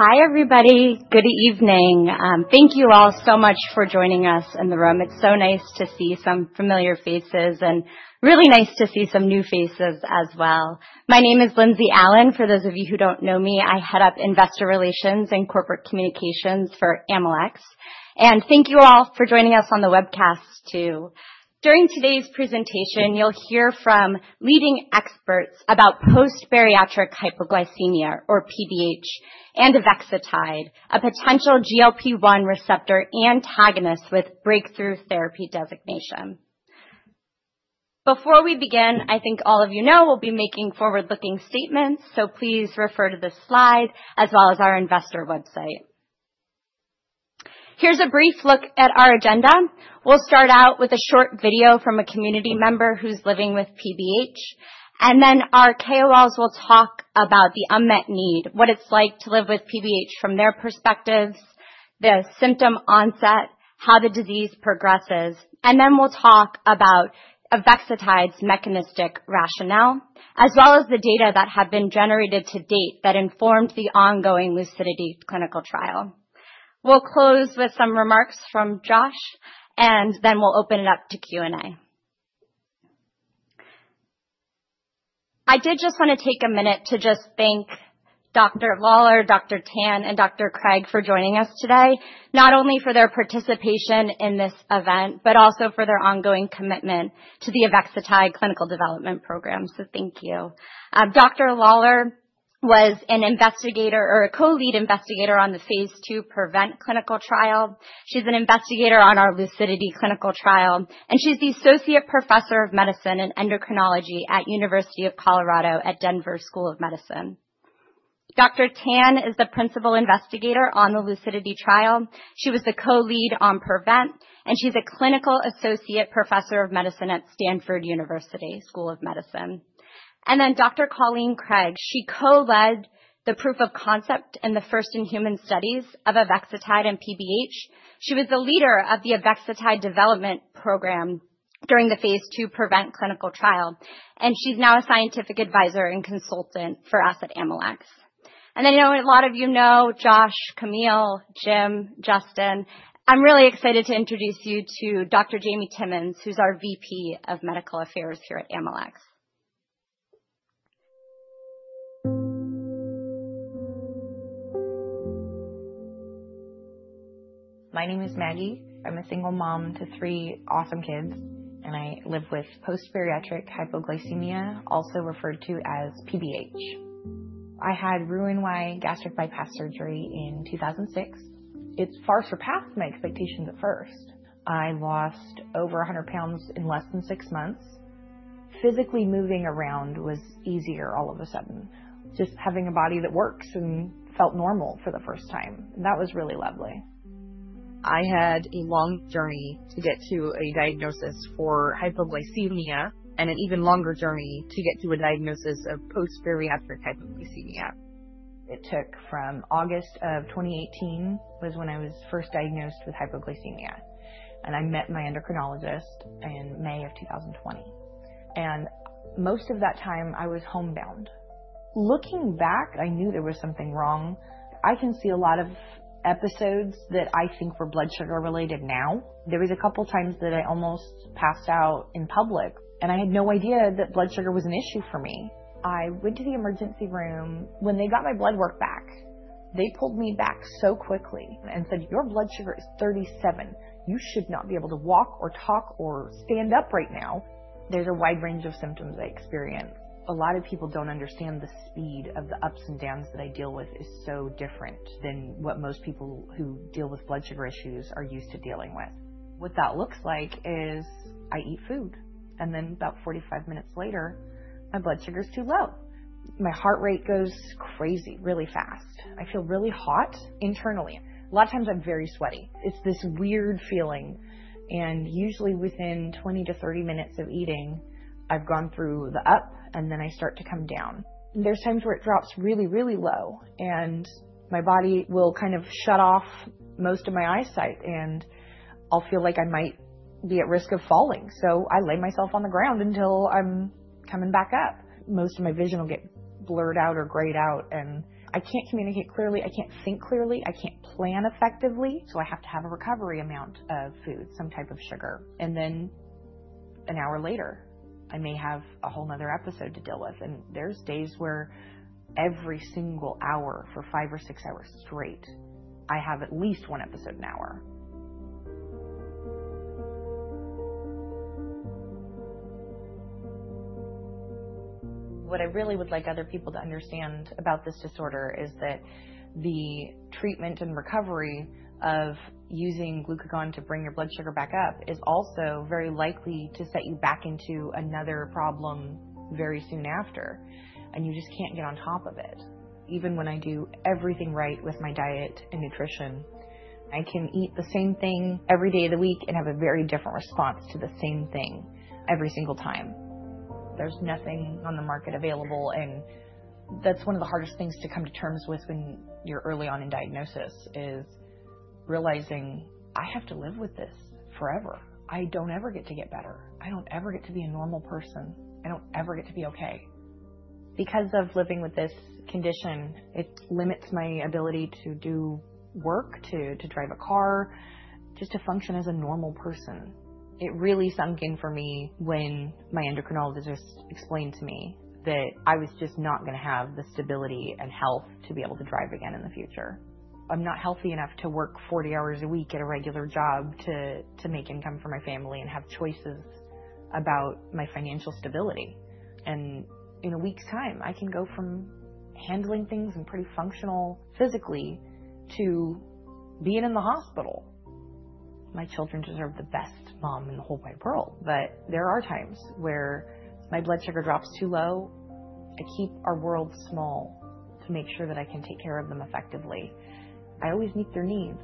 Hi everybody. Good evening. Thank you all so much for joining us in the room. It's so nice to see some familiar faces and really nice to see some new faces as well. My name is Lindsey Allen. For those of you who don't know me, I head up Investor Relations and Corporate Communications for Amylyx Pharmaceuticals. Thank you all for joining us on the webcast too. During today's presentation you'll hear from leading experts about post-bariatric hypoglycemia or PBH and avexitide, a potential GLP-1 receptor antagonist with Breakthrough Therapy designation. Before we begin, I think all of you know we'll be making forward-looking statements. Please refer to this slide as well as our investor website. Here's a brief look at our agenda. We'll start out with a short video from a community member who's living with PBH, then our KOLs will talk about the unmet need, what it's like to live with PBH from their perspective, the symptom onset, and how the disease progresses. We'll talk about avexitide's mechanistic rationale as well as the data that have been generated to date that informed the ongoing LUCIDITY clinical trial. We'll close with some remarks from Josh and then open it up to Q&A. I did just want to take a minute to thank Dr. Lawler, Dr. Tan, and Dr. Craig for joining us today, not only for their participation in this event but also for their ongoing commitment to the avexitide clinical development program. Thank you. Dr. Lawler was an investigator or a co-lead investigator on the Phase 2 PREVENT clinical trial. She's an investigator on our LUCIDITY clinical trial, and she's the Associate Professor of Medicine and Endocrinology at University of Colorado at Denver School of Medicine. Dr. Tan is the principal investigator on the LUCIDITY trial. She was the co-lead on PREVENT, and she's a Clinical Associate Professor of Medicine at Stanford University School of Medicine. Dr. Colleen Craig co-led the proof of concept and the first-in-human studies of avexitide and PBH. She was the leader of the avexitide development program during the Phase 2 PREVENT clinical trial, and she's now a scientific advisor and consultant for us at Amylyx. I know a lot of you know Josh, Camille, Jim, Justin. I'm really excited to introduce you to Dr. Jamie Timmons, who's our VP of Medical Affairs. Medical Affairs here at Amylyx. My name is Margaret Olinger. I'm a single mom to three awesome kids, and I live with post-bariatric hypoglycemia, also referred to as PBH. I had Roux-en-Y gastric bypass surgery in 2006. It far surpassed my expectations. At first, I lost over 100 pounds. In less than six months. Physically, moving around was easier. All of a sudden, just having a body that works and felt normal for the first time, that was really lovely. I had a long journey to get. To a diagnosis for hypoglycemia and an. Even longer journey to get to a. Diagnosis of post-bariatric hypoglycemia. It took from August of 2018, which was when I was first diagnosed with hypoglycemia, and I met my endocrinologist in May of 2020. Most of that time I was homebound. Looking back, I knew there was something wrong. I can see a lot of episodes that I think were blood sugar related. There were a couple times that I almost passed out in public. Had no idea that blood sugar was. An issue for me. I went to the emergency room. When they got my blood work back, they pulled me back so quickly and said, your blood sugar is 37. You should not be able to walk or talk or stand up right now. There's a wide range of symptoms I experience. A lot of people don't understand. The speed of the ups and downs that I deal with is so different than what most people who deal with blood sugar issues are used to dealing with. What that looks like is I eat food and then about 45 minutes later, my blood sugar is too low, my heart rate goes crazy really fast. I feel really hot internally. A lot of times I'm very sweaty. It's this weird feeling. Usually within 20 to 30 minutes of eating, I've gone through the up and then I start to come down. There are times where it drops really, really low and my body will kind of shut off most of my eyesight and I'll feel like I might be at risk of falling. I lay myself on the ground until I'm coming back up. Most of my vision will get blurred out or grayed out and I can't communicate clearly. I can't think clearly, I can't plan effectively. I have to have a recovery amount of food, some type of sugar, and then an hour later, I may have a whole other episode to deal with. There are days where every single hour for five or six hours straight, I have at least one episode an hour. What I really would like other people to understand about this disorder is that the treatment and recovery of using glucagon to bring your blood sugar back up is also very likely to set you back into another problem very soon after, and you just can't get on top of it. Even when I do everything right with my diet and nutrition, I can eat the same thing every day of the week and have a very different response to the same thing every single time. There's nothing on the market available. That's one of the hardest things to come to terms with when you're early on in diagnosis, realizing I have to live with this forever. I don't ever get to get better. I don't ever get to be a normal person. I don't ever get to be okay. Because of living with this condition, it limits my ability to do work, to drive a car, just to function as a normal person. It really sunk in for me when my endocrinologist explained to me that I. Was just not going to have the. Stability and health to be able to drive again in the future. I'm not healthy enough to work 40 hours a week at a regular job, to make income for my family and have choices about my financial stability. In a week's time, I can go from handling things and pretty functional physically to being in the hospital. My children deserve the best mom in the whole wide world. There are times where my blood. Sugar drops too low. I keep our world small to make sure that I can take care of them effectively. I always meet their needs,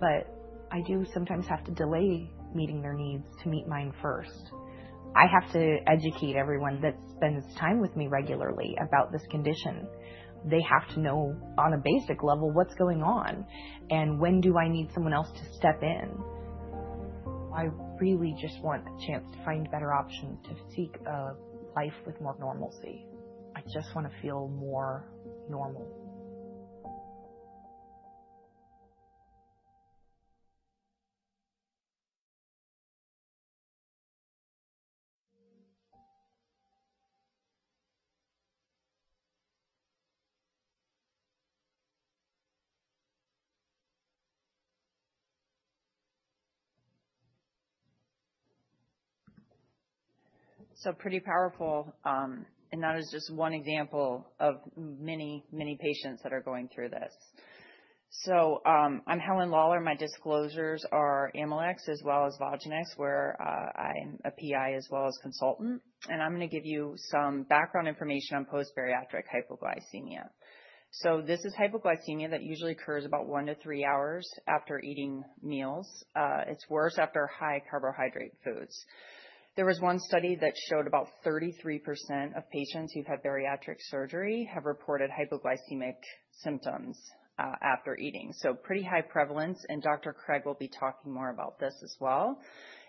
but I do sometimes have to delay meeting their needs to meet mine first. I have to educate everyone that spends time with me regularly about this condition. They have to know on a basic level what's going on and when I need someone else to step in. I really just want a chance to find better options, to seek a life with more normalcy. I just want to feel more normal. Pretty powerful. That is just one example of many, many patients that are going through this. I'm Helen Lawler. My disclosures are Amylyx as well as Voginex, where I'm a PI as well as consultant. I'm going to give you some background information on post-bariatric hypoglycemia. This is hypoglycemia that usually occurs about one to three hours after eating meals. It's worse after high carbohydrate foods. There was one study that showed about 33% of patients who've had bariatric surgery have reported hypoglycemic symptoms after eating. Pretty high prevalence. Dr. Craig will be talking more about this as well.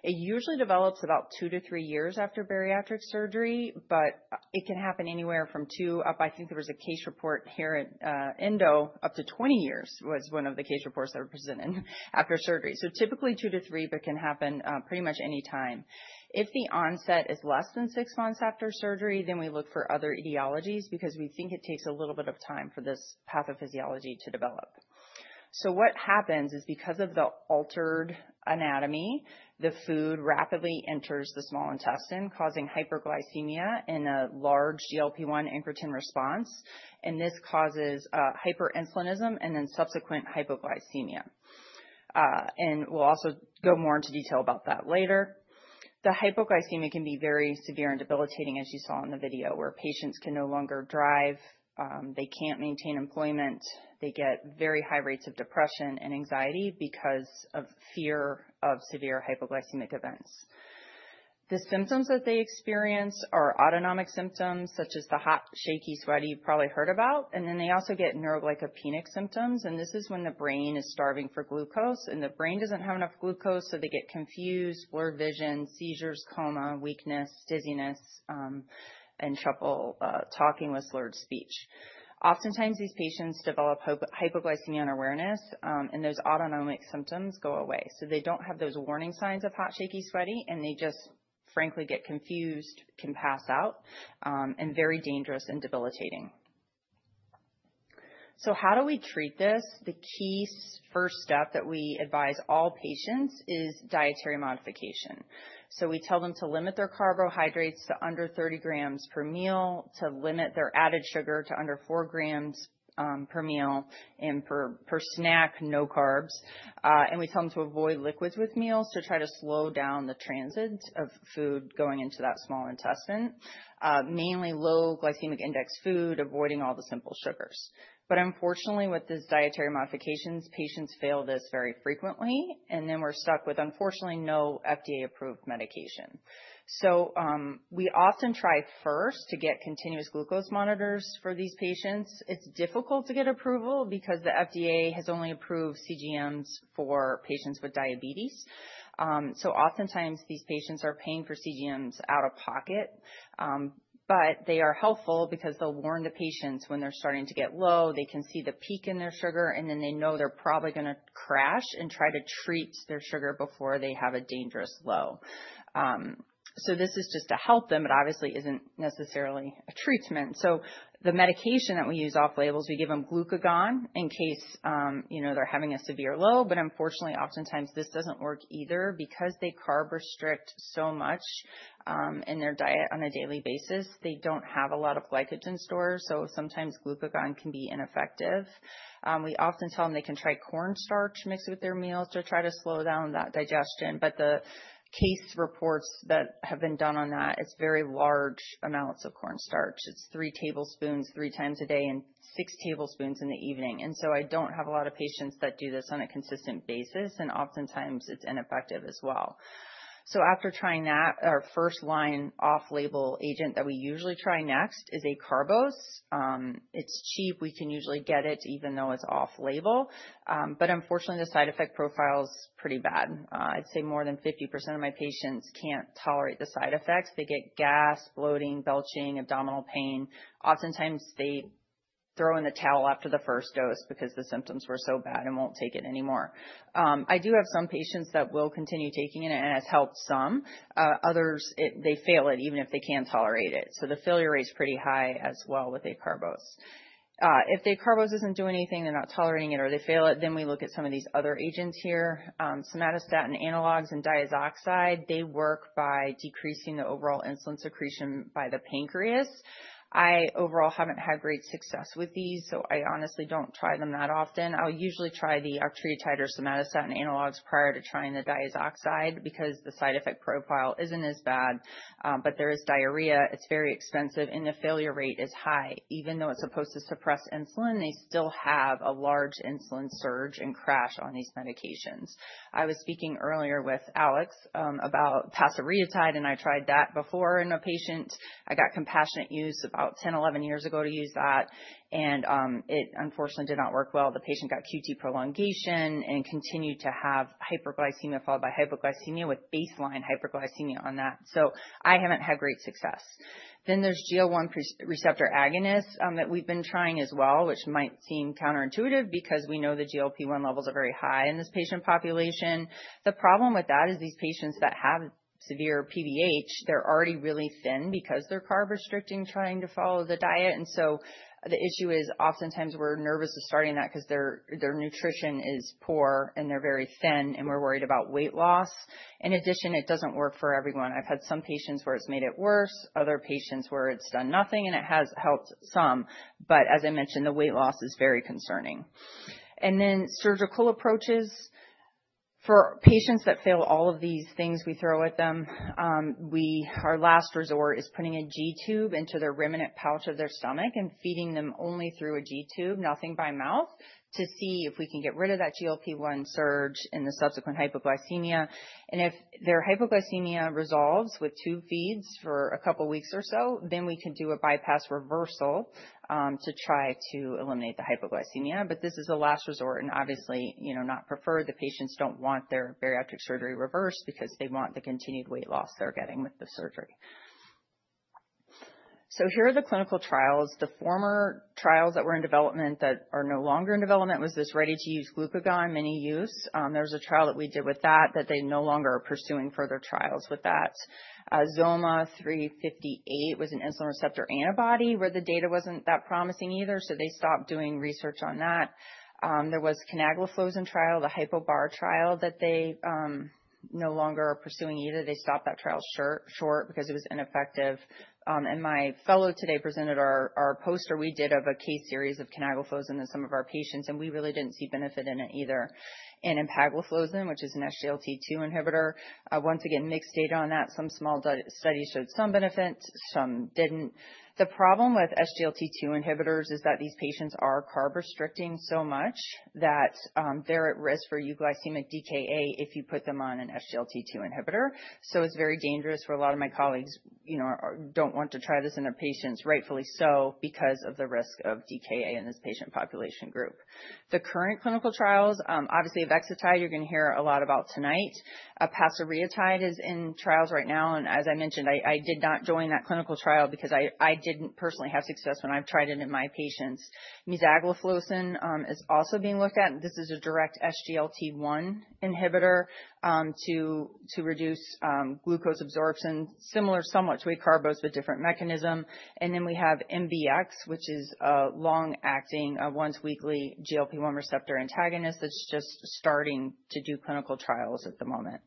It usually develops about two to three years after bariatric surgery, but it can happen anywhere from two up. I think there was a case report here at Endo. Up to 20 years was one of the case reports that were presented after surgery. Typically two to three, but can. Happen pretty much any time. If the onset is less than six months after surgery, then we look for other etiologies because we think it takes a little bit of time for this pathophysiology to develop. What happens is because of the altered anatomy, the food rapidly enters the small intestine, causing hyperglycemia and a large GLP-1 incretin response. This causes hyperinsulinism and then subsequent hypoglycemia. We'll also go more into detail about that later. The hypoglycemia can be very severe and debilitating, as you saw in the video, where patients can no longer drive, they can't maintain employment, they get very high rates of depression and anxiety because of fear of severe hypoglycemic events. The symptoms that they experience are autonomic symptoms, such as the hot, shaky, sweaty you've probably heard about. They also get neuroglycopenic symptoms. This is when the brain is starving for glucose and the brain doesn't have enough glucose, so they get confused, blurred vision, seizures, coma, weakness, dizziness, and trouble talking with slurred speech. Oftentimes, these patients develop hypoglycemia unawareness, and those autonomic symptoms go away. They don't have those warning signs of hot, shaky, sweaty, and they just frankly get confused, can pass out, and very dangerous and debilitating. How do we treat this? The key first step that we advise all patients is dietary modification. We tell them to limit their carbohydrates to under 30 grams per meal, to limit their added sugar to under 4 grams per meal and per snack, no carbs. We tell them to avoid liquids with meals to try to slow down the transit of food going into that small intestine, mainly low glycemic index food, avoiding all the simple sugars. Unfortunately, with these dietary modifications, patients fail this very frequently. We're stuck with, unfortunately, no FDA approved medication. We often try first to get continuous glucose monitors for these patients. It's difficult to get approval because the FDA has only approved CGMs for patients with diabetes. Oftentimes these patients are paying for CGMs out of pocket, but they are helpful because they'll warn the patients when they're starting to get low. They can see the peak in their sugar and then they know they're probably going to crash and try to treat their sugar before they have a dangerous low. This is just to help them, but obviously isn't necessarily a treatment. The medication that we use off label, we give them glucagon in case they're having a severe low. Unfortunately, oftentimes this doesn't work either. Because they carb restrict so much in their diet on a daily basis, they don't have a lot of glycogen stores. Sometimes glucagon can be ineffective. We often tell them they can try cornstarch mixed with their meal to try to slow down that digestion. The case reports that have been done on that, it's very large amounts of cornstarch, it's three tablespoons three times a day and six tablespoons in the evening. I don't have a lot of patients that do this on a consistent basis. Oftentimes it's ineffective as well. After trying that, our first line off label agent that we usually try next is acarbose. It's cheap, we can usually get it even though it's off label. Unfortunately, the side effect profile is pretty bad. I'd say more than 50% of my patients can't tolerate the side effects they get: gas, bloating, belching, abdominal pain. Oftentimes they throw in the towel after the first dose because the symptoms were so bad and won't take it anymore. I do have some patients that will continue taking it and it has helped some. Others, they fail it even if they can't tolerate it. The failure rate is pretty high as well with acarbose. If the acarbose isn't doing anything, they're not tolerating it or they fail it, we look at some of these other agents here, somatostatin analogues and diazoxide. They work by decreasing the overall insulin secretion by the pancreas. I overall haven't had great success with these, so I honestly don't try them that often. I'll usually try the octreotide or somatostatin analogues prior to trying the diazoxide because the side effect profile isn't as bad. There is diarrhea, it's very expensive and the failure rate is high. Even though it's supposed to suppress insulin, they have a large insulin surge and crash on these medications. I was speaking earlier with Alex about pasireotide and I tried that before in a patient. I got compassionate use about 10, 11 years ago to use that, and it unfortunately did not work well. The patient got QT prolongation and continued to have hyperglycemia followed by hypoglycemia with baseline hyperglycemia on that. I haven't had great success. There are GLP-1 receptor agonists that we've been trying as well, which might seem counterintuitive because we know the GLP-1 levels are very high in this patient population. The problem with that is these patients that have severe PBH, they're already really thin because they're carb restricting, trying to follow the diet. The issue is oftentimes we're nervous of starting that because their nutrition is poor and they're very thin and we're worried about weight loss. In addition, it doesn't work for everyone. I've had some patients where it's made it worse, other patients where it's done nothing, and it has helped some. As I mentioned, the weight loss is very concerning. Surgical approaches for patients that fail all of these things we throw at them, our last resort is putting a G tube into their remnant pouch of their stomach and feeding them only through a G tube, nothing by mouth, to see if we can get rid of that GLP-1 surge in the subsequent hypoglycemia. If their hypoglycemia resolves with tube feeds for a couple weeks or so, then we can do a bypass reversal to try to eliminate the hypoglycemia. This is a last resort and obviously not preferred. The patients don't want their bariatric surgery reversed because they want the continued weight loss they're getting with the surgery. Here are the clinical trials, the former trials that were in development, that are no longer in development. Was this ready to use glucagon, mini use? There's a trial that we did with that, that they no longer are pursuing further trials with that. Zoma358 was an insulin receptor antibody, where the data wasn't that promising either. They stopped doing research on that. There was canagliflozin trial, the HYPOBAR trial, that they no longer are pursuing either. They stopped that trial short because it was ineffective. My fellow today presented our poster we did of a case series of canagliflozin in some of our patients. We really didn't see benefit in it either. Empagliflozin, which is an SGLT2 inhibitor, once again, mixed data on that. Some small studies showed some benefit, some didn't. The problem with SGLT2 inhibitors is that these patients are carb restricting so much that they're at risk for euglycemic DKA if you put them on an SGLT2 inhibitor. It's very dangerous for a lot of my colleagues, you know, don't want to try this in their patients, rightfully so, because of the risk of DKA in this patient population group. The current clinical trials, obviously avexitide you're going to hear a lot about tonight. Pasirotide is in trials right now, and as I mentioned, I did not join that clinical trial because I didn't personally have success when I've tried it in my patients. Mesagliflocin is also being looked at. This is a direct SGLT1 inhibitor to reduce glucose absorption, similar somewhat to acarbose but different mechanism. We have MBX, which is long-acting, once-weekly GLP-1 receptor antagonist that's just starting to do clinical trials at the moment.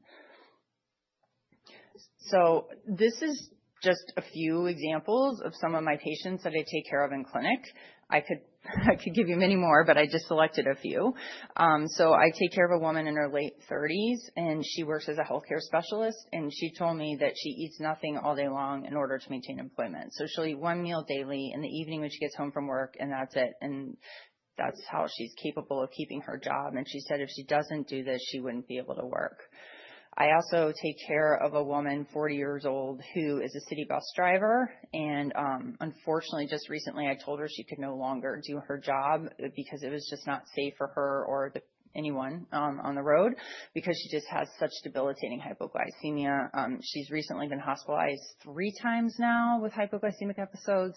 These are just a few examples of some of my patients that I take care of in clinic. I could give you many more, but I just selected a few. I take care of a woman in her late 30s, and she works as a healthcare specialist. She told me that she eats nothing all day long in order to maintain employment. She'll eat one meal daily in the evening when she gets home from work, and that's it, and that's how she's capable of keeping her job. She said if she doesn't do this, she wouldn't be able to work. I also take care of a woman, 40 years old, who is a city bus driver. Unfortunately, just recently I told her she could no longer do her job because it was just not safe for her or anyone on the road because she just has such debilitating hypoglycemia. She's recently been hospitalized three times now with hypoglycemic episodes.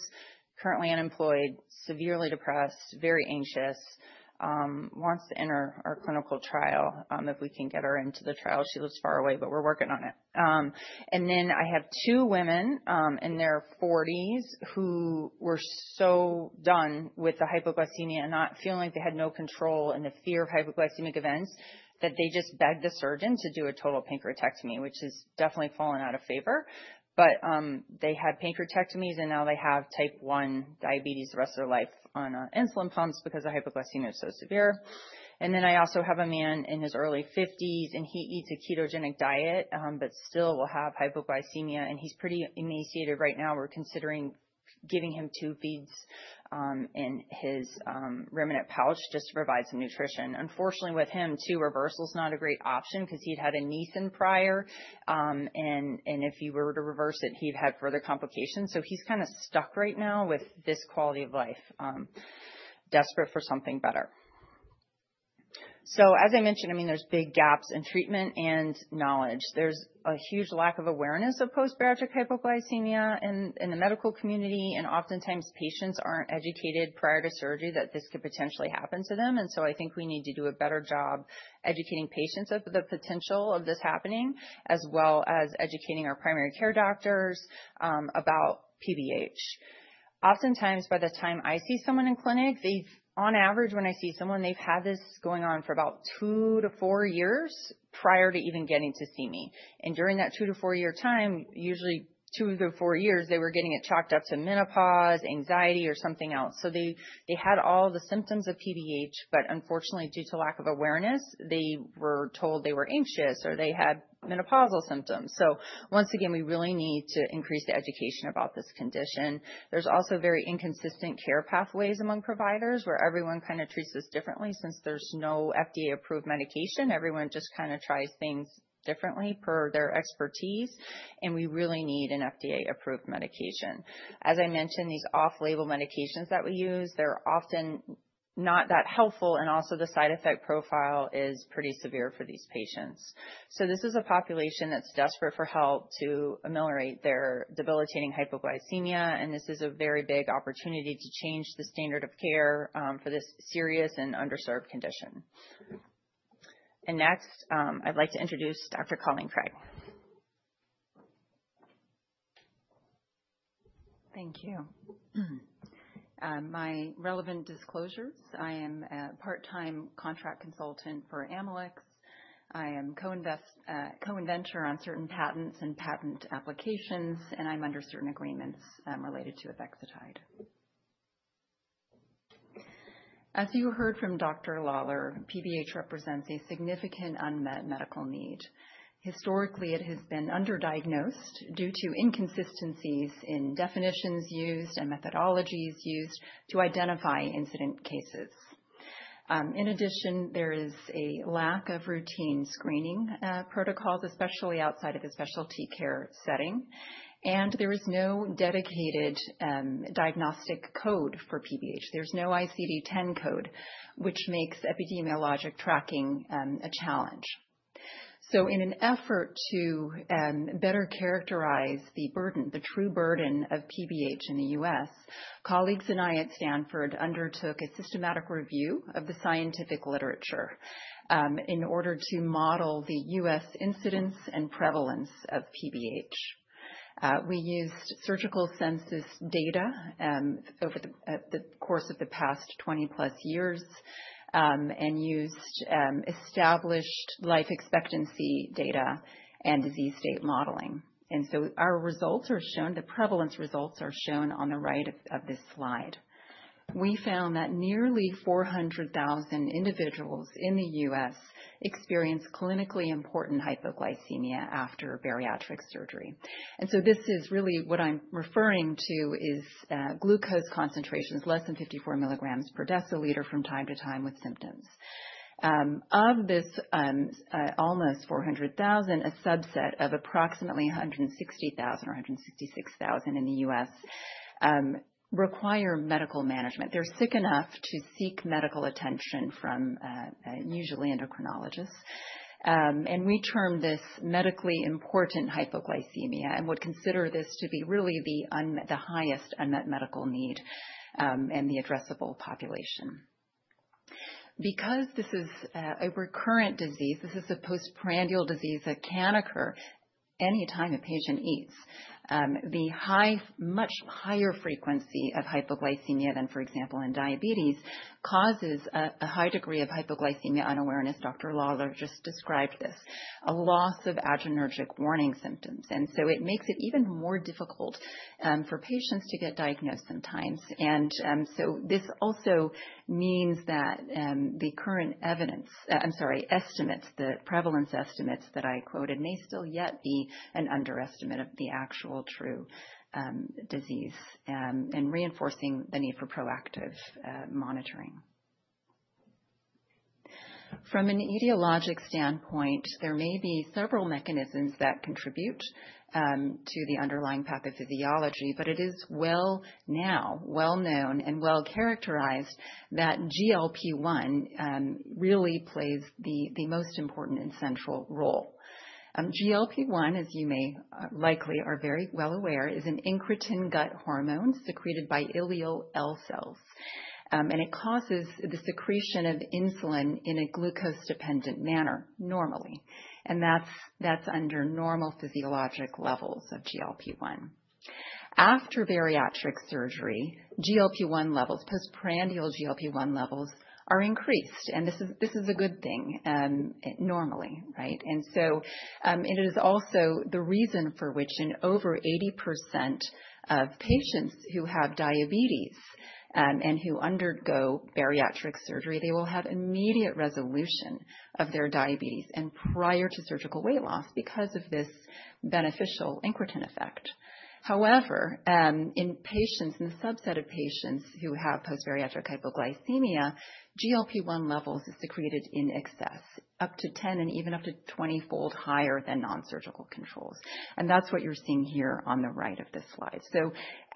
Currently unemployed, severely depressed, very anxious, wants to enter our clinical trial if we can get her into the trial. She lives far away, but we're working on it. I have two women in their 40s who were so done with the hypoglycemia and not feeling like they had any control and the fear of hypoglycemic events, that they just begged the surgeon to do a total pancreatectomy, which has definitely fallen out of favor. They had pancreatectomies, and now they have type 1 diabetes the rest of their life on insulin pumps because the hypoglycemia is so severe. I also have a man in his early 50s, and he eats a ketogenic diet but still will have hypoglycemia. He's pretty emaciated right now. We're considering giving him tube feeds in his Roux-en-Y pouch just to provide some nutrition. Unfortunately, with him, reversal is not a great option because he'd had a Nissen prior, and if he were to reverse it, he'd have further complications. He's kind of stuck right now with this quality of life, desperate for something better. As I mentioned, there's big gaps in treatment and knowledge. There's a huge lack of awareness of post-bariatric hypoglycemia in the medical community. Oftentimes patients aren't educated prior to surgery that this could potentially happen to them. I think we need to do a better job educating patients of the potential of this happening as well as educating our primary care doctors about PBH. Oftentimes by the time I see someone in clinic, on average, when I see someone, they've had this going on. For about two to four years prior. To even getting to see me. During that two to four year time, usually two to four years, they were getting it chalked up to menopause, anxiety, or something else. They had all the symptoms of PBH, but unfortunately, due to lack of awareness, they were told they were anxious or they had menopausal symptoms. We really need to increase the education about this condition. There are also very inconsistent care pathways among providers where everyone kind of treats this differently. Since there's no FDA approved medication, everyone just kind of tries things differently per their expertise. We really need an FDA approved medication. As I mentioned, these off-label medications that we use are often not that helpful. Also, the side effect profile is pretty severe for these patients. This is a population that's desperate for help to ameliorate their debilitating hypoglycemia. This is a very big opportunity to change the standard of care for this serious and underserved condition. Next, I'd like to introduce Dr. Colleen Craig. Thank you. My relevant disclosures. I am a part-time contract consultant for Amylyx. I am co-inventor on certain patents and patent applications and I'm under certain agreements related to avexitide. As you heard from Dr. Lawler, PBH represents a significant unmet medical need. Historically, it has been underdiagnosed due to inconsistencies in definitions used and methodologies used to identify incident cases. In addition, there is a lack of routine screening protocols, especially outside of the specialty care setting. There is no dedicated diagnostic code for PBH. There's no ICD-10 code, which makes epidemiological tracking a challenge. In an effort to better characterize the burden, the true burden of PBH in the U.S., colleagues and I at Stanford University undertook a systematic review of the scientific literature in order to model the U.S. incidence and prevalence of PBH. We used surgical census data over the course of the past 20+ years and used established life expectancy data and disease state modeling. Our results are shown. The prevalence results are shown on the right of this slide. We found that nearly 400,000 individuals in the U.S. experienced clinically important hypoglycemia after bariatric surgery. This is really what I'm referring to as glucose concentrations less than 54 milligrams per deciliter from time to time. With symptoms of this, almost 400,000, a subset of approximately 160,000 or 166,000 in the U.S. require medical management. They're sick enough to seek medical attention from, usually, endocrinologists. We term this medically important hypoglycemia and would consider this to be really the highest unmet medical need in the addressable population. Because this is a recurrent disease, this can occur anytime a patient eats. The much higher frequency of hypoglycemia than, for example, in diabetes causes a high degree of hypoglycemia unawareness. Dr. Lawler just described this, a loss of adrenergic warning symptoms. It makes it even more difficult for patients to get diagnosed sometimes. This also means that the current evidence estimates, the prevalence estimates that I quoted, may still yet be an underestimate of the actual true disease and reinforces the need for proactive monitoring. From an etiologic standpoint, there may be several mechanisms that contribute to the underlying pathophysiology, but it is now well known and well characterized that GLP-1 really plays the most important and central role. GLP-1, as you may likely are very well aware, is an incretin, gut hormone secreted by ileal L cells, and it causes the secretion of insulin in a glucose-dependent manner normally, and that's under normal physiologic levels of GLP-1. After bariatric surgery, GLP-1 levels, postprandial GLP-1 levels, are increased. This is a good thing normally. It is also the reason for which in over 80% of patients who have diabetes and who undergo bariatric surgery, they will have immediate resolution of their diabetes prior to surgical weight loss because of this beneficial incretin effect. However, in the subset of patients who have post-bariatric hypoglycemia, GLP-1 levels are secreted in excess, up to 10 and even up to 20-fold higher than non-surgical controls. That's what you're seeing here on the right of this slide.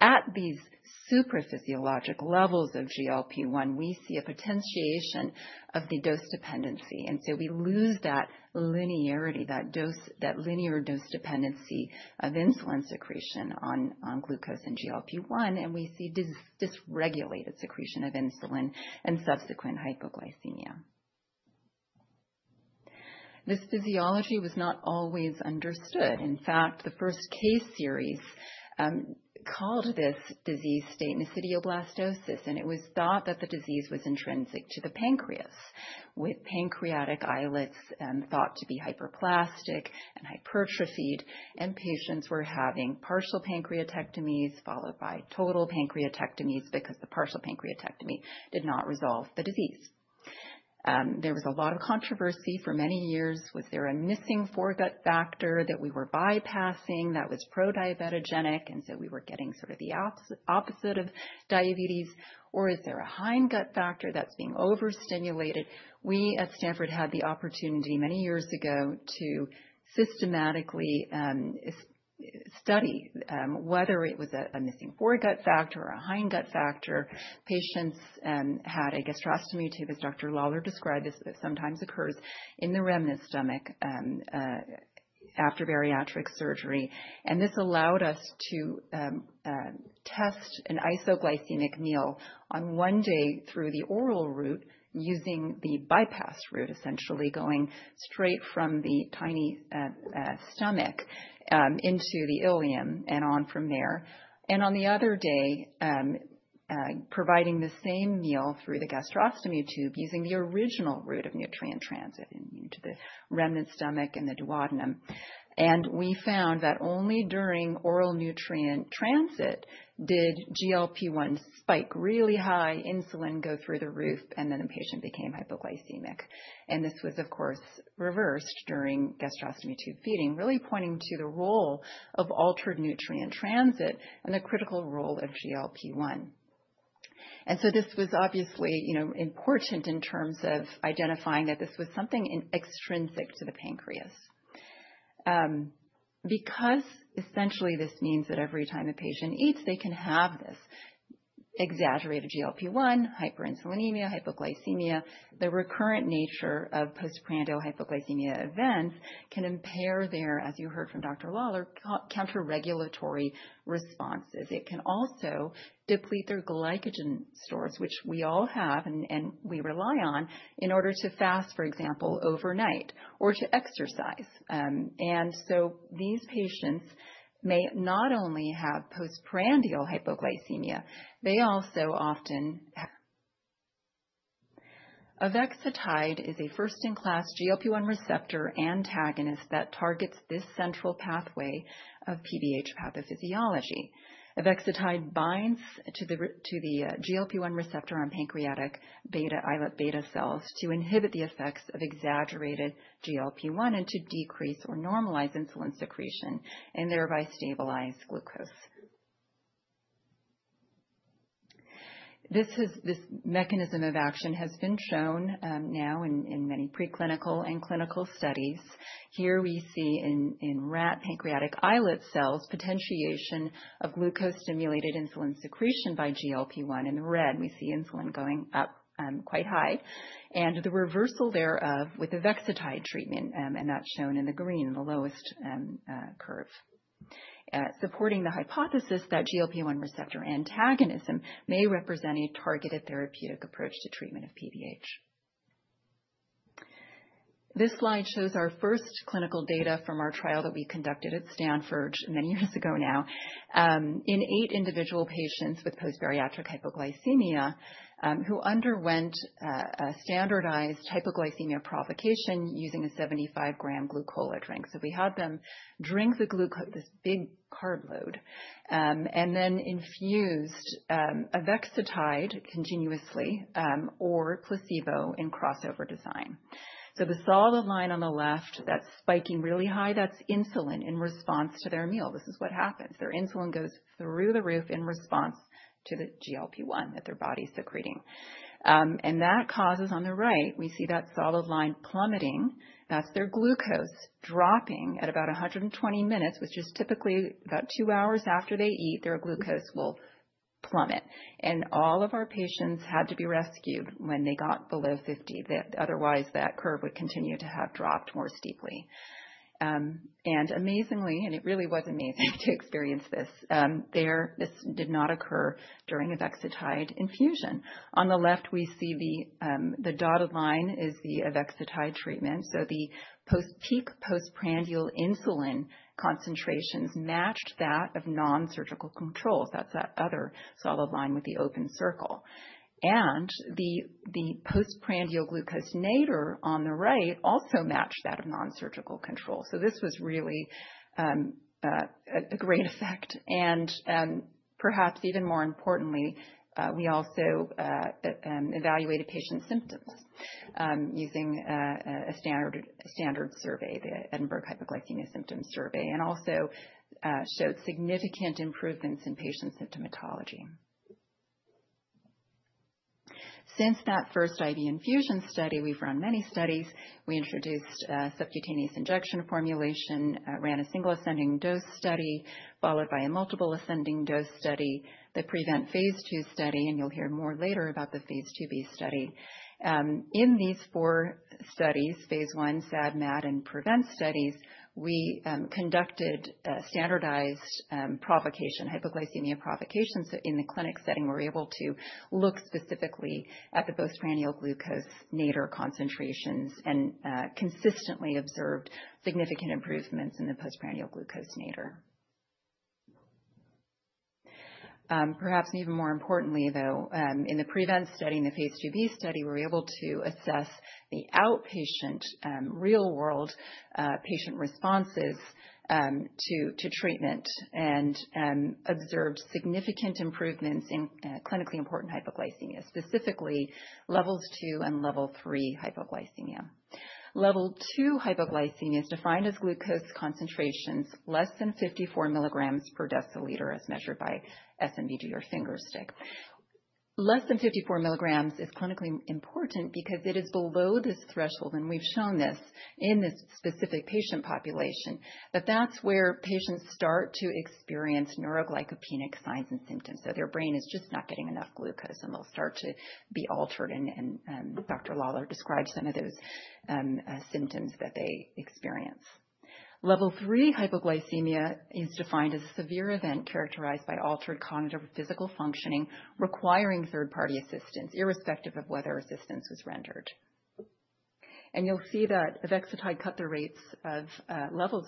At these supraphysiologic levels of GLP-1, we see a potentiation of the dose dependency, and we lose that linearity, that linear dose dependency of insulin secretion on glucose and GLP-1, and we see dysregulated secretion of insulin and subsequent hypoglycemia. This physiology was not always understood. In fact, the first case series called this disease state nesidioblastosis. It was thought that the disease was intrinsic to the pancreas, with pancreatic islets thought to be hyperplastic and hypertrophied. Patients were having partial pancreatectomies followed by total pancreatectomies because the partial pancreatectomy did not resolve the disease. There was a lot of controversy for many years. Was there a missing foregut factor that we were bypassing that was pro-diabetogenic and we were getting sort of the opposite of diabetes? Is there a hindgut factor that's being overstimulated? We at Stanford University had the opportunity many years ago to systematically study whether it was a missing foregut factor or a hindgut factor. Patients had a gastrostomy tube, as Dr. Helen Lawler described this, that sometimes occurs in the remnant stomach after bariatric surgery. This allowed us to test an isoglycemic meal on one day through the oral route, using the bypass route, essentially going straight from the tiny stomach into the ileum and on from there. On the other day, we provided the same meal through the gastrostomy tube using the original route of nutrient transit into the remnant stomach and the duodenum. We found that only during oral nutrient transit did GLP-1 spike, really high insulin, go through the roof, and then the patient became hypoglycemic. This was of course reversed during gastrostomy tube feeding, really pointing to the role of altered nutrient transit and the critical role of GLP-1. This was obviously important in terms of identifying that this was something extrinsic to the pancreas because essentially this means that every time a patient eats they can have this exaggerated GLP-1 hyperinsulinemia, hypoglycemia. The recurrent nature of postprandial hypoglycemia events can impair their, as you heard from Dr. Lawler, counter-regulatory responses. It can also deplete their glycogen stores, which we all have and we rely on in order to fast, for example overnight or to exercise. These patients may not only have postprandial hypoglycemia, they also often. Avexitide is a first-in-class GLP-1 receptor antagonist that targets this central pathway of PBH pathophysiology. Avexitide binds to the GLP-1 receptor on pancreatic beta islet cells to inhibit the effects of exaggerated GLP-1 and to decrease or normalize insulin secretion and thereby stabilize glucose. This mechanism of action has been shown now in many preclinical and clinical studies. Here we see in rat pancreatic islet cells potentiation of glucose-stimulated insulin secretion by GLP-1. In red we see insulin going up quite high and the reversal thereof with avexitide treatment. That is shown in the green, the lowest curve, supporting the hypothesis that GLP-1 receptor antagonism may represent a targeted therapeutic approach to treatment of PBH. This slide shows our first clinical data from our trial that we conducted at Stanford University many years ago in eight individual patients with post-bariatric hypoglycemia who underwent a standardized hypoglycemia provocation using a 75 gram glucola drink. We had them drink this big carb load and then infused avexitide continuously or placebo in crossover design. The solid line on the left, that's spiking really high, that's insulin in response to their meal. This is what happens. Their insulin goes through the roof in response to the GLP-1 that their body is secreting and that causes, on the right, we see that solid line plummeting, that's their glucose dropping. At about 120 minutes, which is typically about two hours after they eat, their glucose will plummet. All of our patients had to be rescued when they got below 50, otherwise that curve would continue to have dropped more steeply and amazingly, and it really was amazing to experience this. This did not occur during avexitide infusion. On the left, we see the dotted line is the avexitide treatment. The peak postprandial insulin concentrations matched that of non-surgical controls. That's that other solid line with the open circle. The postprandial glucose nadir on the right also matched that of non-surgical controls. This was really a great effect. Perhaps even more importantly, we also evaluated patients' symptoms using a standard survey, the Edinburgh Hypoglycemia Symptoms Survey, and also showed significant improvements in patient symptomatology. Since that first IV infusion study, we've run many studies and we introduced subcutaneous injection formulation, ran a single ascending dose study followed by a multiple ascending dose study, the PREVENT Phase 2 study, and you'll hear more later about the Phase 2b study. In these four studies, Phase 1, SAD, MAD, and PREVENT studies, we conducted standardized hypoglycemia provocation. In the clinic setting, we were able to look specifically at the postprandial glucose nadir concentrations and consistently observed significant improvements in the postprandial glucose nadir. Perhaps even more importantly, in the PREVENT study, in the Phase 2b study, we were able to assess the outpatient real-world patient responses to treatment and observe significant improvements in clinically important hypoglycemia, specifically level 2 and level 3 hypoglycemia. Level 2 hypoglycemia is defined as glucose concentrations less than 54 milligrams per deciliter as measured by SMBG or finger stick. Less than 54 milligrams is clinically important because it is below this threshold, and we've shown this in this specific patient population. That's where patients start to experience neuroglycopenic signs and symptoms. Their brain is just not getting enough glucose and they'll start to be altered, and Dr. Lawler describes some of those symptoms that they experience. Level 3 hypoglycemia is defined as a severe event characterized by altered cognitive physical functioning requiring third party assistance, irrespective of whether assistance was rendered. You'll see that avexitide cut the rates of level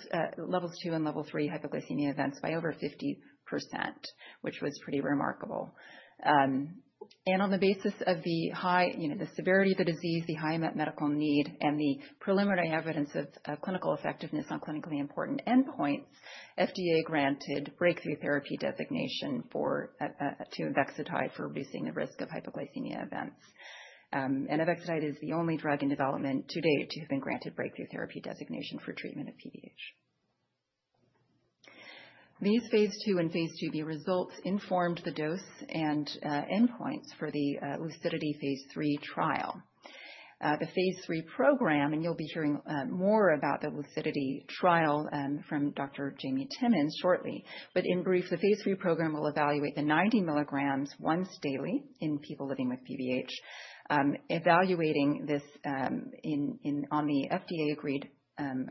2 and level 3 hypoglycemia events by over 50%, which was pretty remarkable. On the basis of the severity of the disease, the high medical need, and the preliminary evidence of clinical effectiveness on clinically important endpoints, FDA granted Breakthrough Therapy designation for avexitide for reducing the risk of hypoglycemia events. Avexitide is the only drug in development to date to have been granted Breakthrough Therapy designation for treatment of PBH. These Phase 2 and Phase 2b results informed the dose and endpoints for the LUCIDITY Phase 3 trial. The Phase 3 program, and you'll be hearing more about the LUCIDITY trial from Dr. Jamie Timmons shortly. In brief, the Phase 3 program will evaluate the 90 milligrams once daily in people living with PBH, evaluating this on the FDA-agreed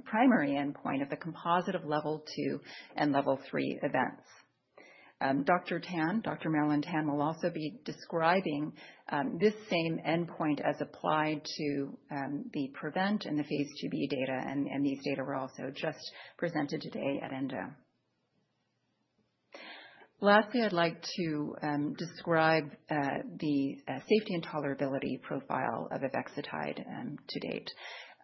primary endpoint of the composite of level 2 and level 3 events. Dr. Marilyn Tan will also be describing this same endpoint as applied to the PREVENT and the Phase 2b data. These data were also just presented today at Endo. Lastly, I'd like to describe the safety and tolerability profile of avexitide to date.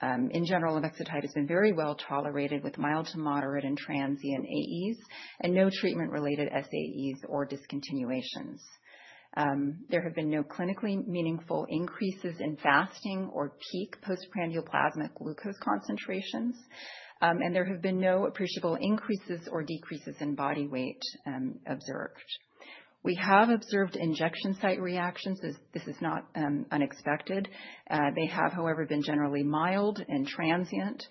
In general, avexitide has been very well tolerated with mild to moderate and transient AEs and no treatment-related SAEs or discontinuations. There have been no clinically meaningful increases in fasting or peak post-glucose concentrations, and there have been no appreciable increases or decreases in body weight observed. We have observed injection site reactions. This is not unexpected. They have, however, been generally mild and transient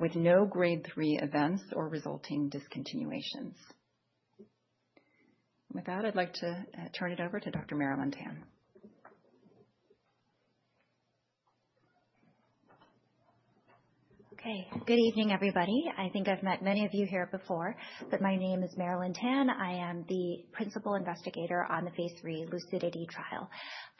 with no grade 3 events or resulting discontinuations. With that, I'd like to turn it over to Dr. Marilyn Tan. Okay, good evening everybody. I think I've met many of you here before, but my name is Marilyn Tan. I am the Principal Investigator on the Phase 3 LUCIDITY trial.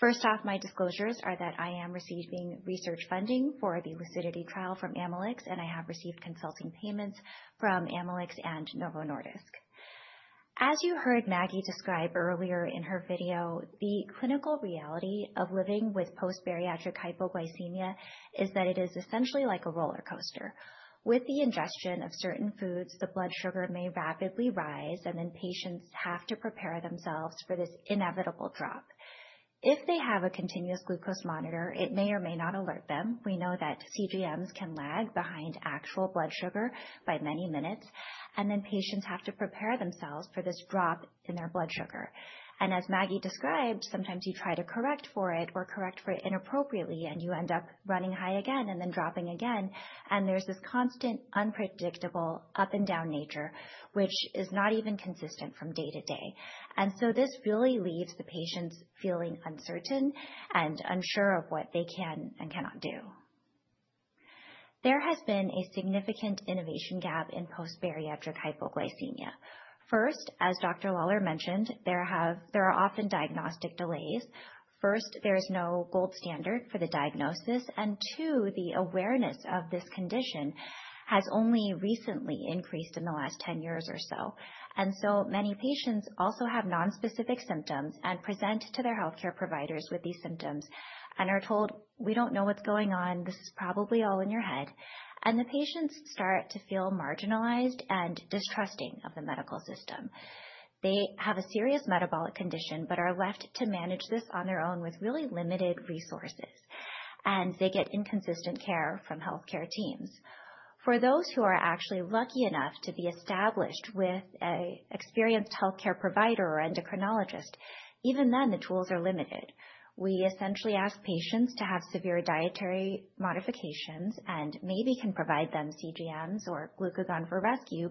First off, my disclosures are that I am receiving research funding for the LUCIDITY trial from Amylyx Pharmaceuticals and I have received consulting payments from Amylyx Pharmaceuticals and Novo Nordisk. As you heard Maggie describe earlier in her video, the clinical reality of living with post-bariatric hypoglycemia is that it is essentially like a roller coaster. With the ingestion of certain foods, the blood sugar may rapidly rise and then patients have to prepare themselves for this inevitable drop. If they have a continuous glucose monitor, it may or may not alert them. We know that CGMs can lag behind actual blood sugar by many minutes and then patients have to prepare themselves for this drop in their blood sugar. As Maggie described, sometimes you try to correct for it or correct for it inappropriately and you end up running high again and then dropping again. There is this constant unpredictable up and down nature which is not even consistent from day to day. This really leaves the patients feeling uncertain and unsure of what they can and cannot do. There has been a significant innovation gap in post-bariatric hypoglycemia. As Dr. Lawler mentioned, there are often diagnostic delays. There is no gold standard for the diagnosis. The awareness of this condition has only recently increased in the last 10 years or so. Many patients also have nonspecific symptoms and present to their healthcare providers with the symptoms and are told, we don't know what's going on. This is probably all in your head. The patients start to feel marginalized and distrusting of the medical system. They have a serious metabolic condition, but are left to manage this on their own with really limited resources. They get inconsistent care from healthcare teams. For those who are actually lucky enough to be established with an experienced healthcare provider or endocrinologist, even then, the tools are limited. We essentially ask patients to have severe dietary modifications and maybe can provide them CGMs or glucagon for rescue.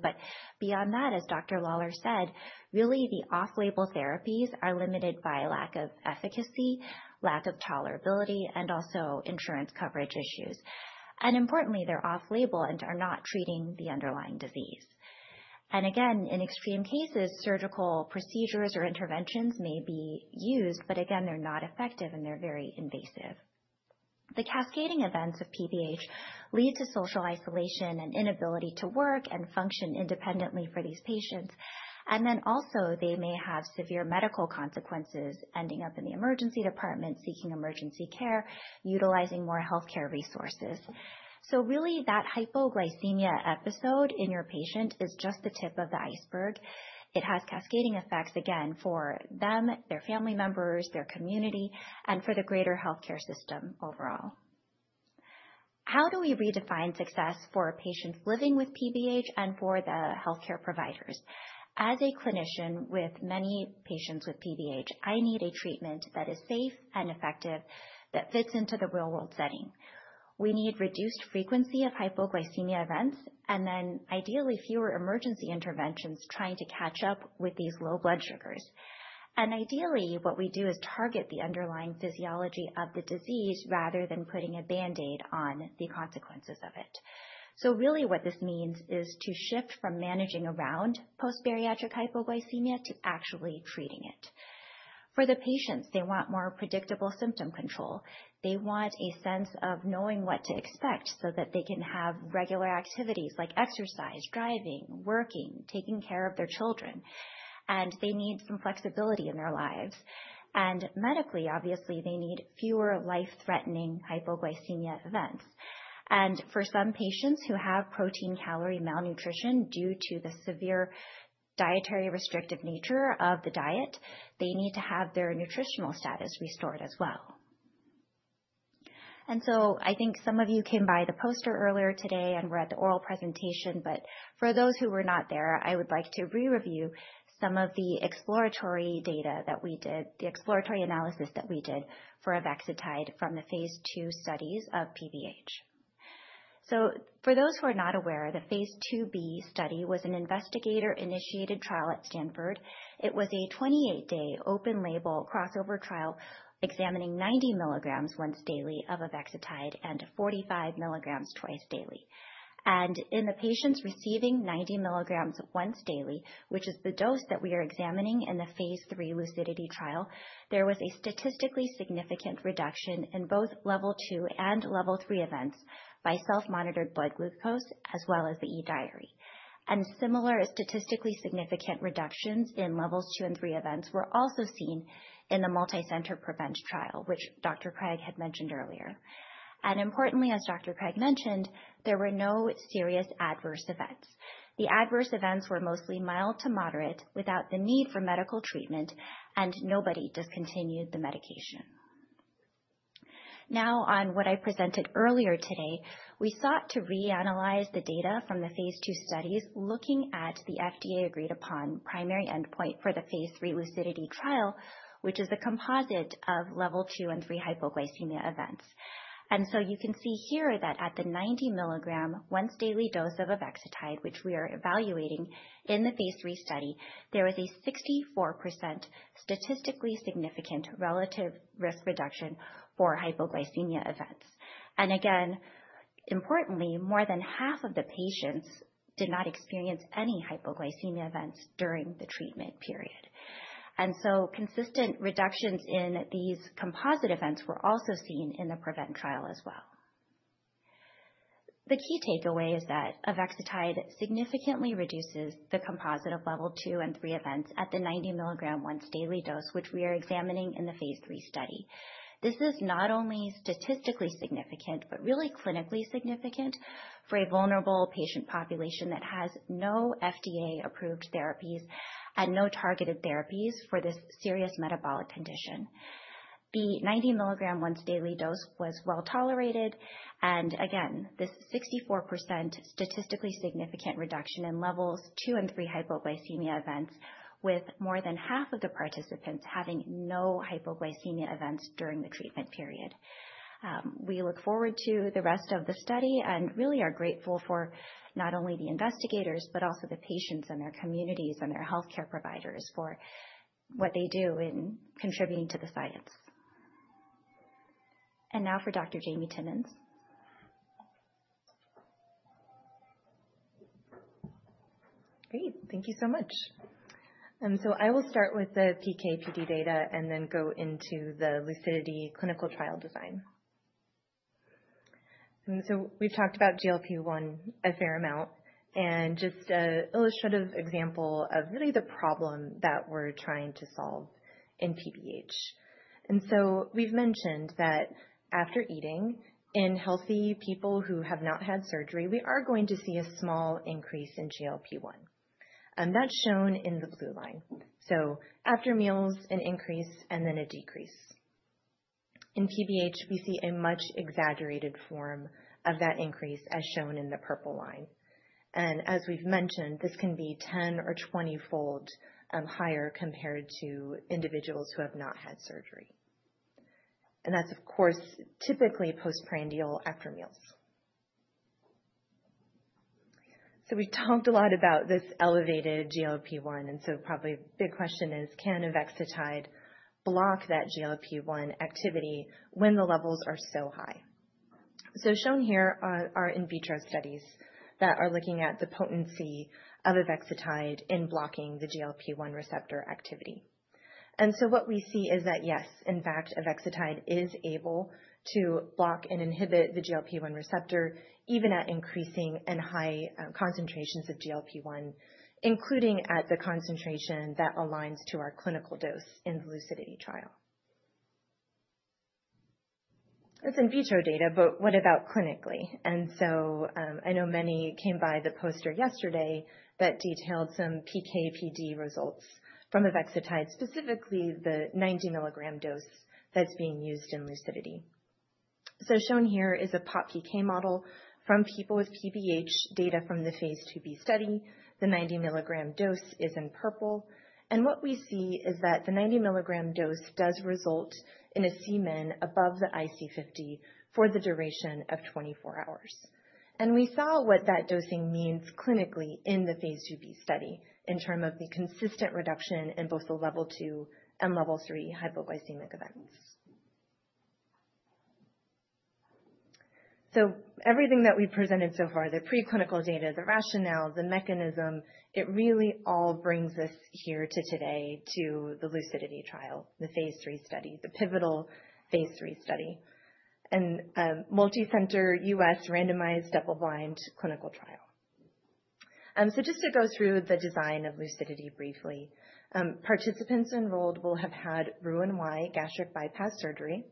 Beyond that, as Dr. Lawler said, the off-label therapies are limited by lack of efficacy, lack of tolerability, and also insurance coverage issues. Importantly, they're off-label and are not treating the underlying disease. In extreme cases, surgical procedures or interventions may be used, but they're not effective and they're very invasive. The cascading events of PBH lead to social isolation and inability to work and function independently for these patients. They may have severe medical consequences, ending up in the emergency department seeking emergency care, utilizing more healthcare resources. That hypoglycemia episode in your patient is just the tip of the iceberg. It has cascading effects for them, their family members, their community, and for the greater healthcare system overall. How do we redefine success for patients living with PBH and for the healthcare providers? As a clinician with many patients with PBH, I need a treatment that is safe and effective, that fits into the real world setting. We need reduced frequency of hypoglycemia events and ideally, fewer emergency interventions trying to catch up with these low blood sugars. Ideally what we do is target the underlying physiology of the disease rather than putting a band aid on the consequences of it. What this means is to shift from managing around post-bariatric hypoglycemia to actually treating it. For the patients, they want more predictable symptom control. They want a sense of knowing what to expect so that they can have regular activities like exercise, driving, working, taking care of their children, and they need some flexibility in their lives. Medically, obviously they need fewer life-threatening hypoglycemia events. For some patients who have protein calorie malnutrition due to the severe dietary restrictive nature of the diet, they need to have their nutritional status restored as well. I think some of you came by the poster earlier today and were at the oral presentation. For those who were not there, I would like to review some of the exploratory data that we did, the exploratory analysis that we did for avexitide from the Phase 2 studies of PBH. For those who are not aware, the Phase 2b study was an investigator-initiated trial at Stanford University. It was a 28-day open-label crossover trial examining 90 milligrams once daily of avexitide and 45 milligrams twice daily. In the patients receiving 90 milligrams once daily, which is the dose that we are examining in the Phase 3 LUCIDITY trial, there was a statistically significant reduction in both level 2 and level 3 events by self-monitored blood glucose as well as the e-diary. Similar statistically significant reductions in level 2 and level 3 events were also seen in the multicenter PREVENT trial, which Dr. Colleen Craig had mentioned earlier. Importantly, as Dr. Craig mentioned, there were no serious adverse events. The adverse events were mostly mild to moderate without the need for medical treatment, and nobody discontinued the medication. Regarding what I presented earlier today, we sought to reanalyze the data from the Phase 2 studies looking at the FDA agreed upon primary endpoint for the Phase 3 LUCIDITY trial, which is a composite of level 2 and level 3 hypoglycemia events. You can see here that at the 90 milligram once daily dose of avexitide, which we are evaluating in the Phase 3 study, there was a 64% statistically significant relative risk reduction for hypoglycemia events. Importantly, more than half of the patients did not experience any hypoglycemia events during the treatment period. Consistent reductions in these composite events were also seen in the PREVENT trial as well. The key takeaway is that avexitide significantly reduces the composite of level 2 and level 3 events at the 90 milligram once daily dose, which we are examining in the Phase 3 study. This is not only statistically significant, but really clinically significant for a vulnerable patient population that has no FDA approved therapies and no targeted therapies for this serious metabolic condition. The 90 milligram once daily dose was well tolerated. This 64% statistically significant reduction in level 2 and level 3 hypoglycemia events, with more than half of the participants having no hypoglycemia events during the treatment period, is notable. We look forward to the rest of the study and are really grateful for not only the investigators, but also the patients and their communities and their healthcare providers for what they do in contributing to the science. Now for Dr. Jamie Timmons. Great. Thank you so much. I will start with the PK PD data and then go into the LUCIDITY clinical trial design. We've talked about GLP-1 a fair amount and just an illustrative example of really the problem that we're trying to solve in PBH. We've mentioned that after eating in healthy people who have not had surgery, we are going to see a small increase in GLP-1 that's shown in the blue line. After meals, an increase and then a decrease. In PBH, we see a much exaggerated form of that increase, as shown in the purple line. As we've mentioned, this can be 10 or 20-fold higher compared to individuals who have not had surgery. That's, of course, typically postprandial after meals. We've talked a lot about this elevated GLP-1. A big question is, can avexitide block that GLP-1 activity when the levels are so high? Shown here are in vitro studies that are looking at the potency of avexitide in blocking the GLP-1 receptor activity. What we see is that, yes, in fact avexitide is able to block and inhibit the GLP-1 receptor even at increasing and high concentrations of GLP-1, including at the concentration that aligns with our clinical dose in the LUCIDITY trial. That's in vitro data. What about clinically? I know many came by the poster yesterday that detailed some PK PD results from avexitide, specifically the 90 mg dose that's being used in LUCIDITY. Shown here is a pop PK model from people with PBH data from the Phase 2b study. The 90 mg dose is in purple. What we see is that the 90 mg dose does result in a Cmin above the IC50 for the duration of 24 hours. We saw what that dosing means clinically in the Phase 2b study in terms of the consistent reduction in both the level 2 and level 3 hypoglycemic events. Everything that we've presented so far, the preclinical data, the rationale, the mechanism, it really all brings us here to today, to the LUCIDITY trial, the Phase 3 study, the pivotal Phase 3 study and multicenter U.S. randomized double-blind clinical trial. Just to go through the design of LUCIDITY briefly, participants enrolled will have had Roux-en-Y gastric bypass surgery.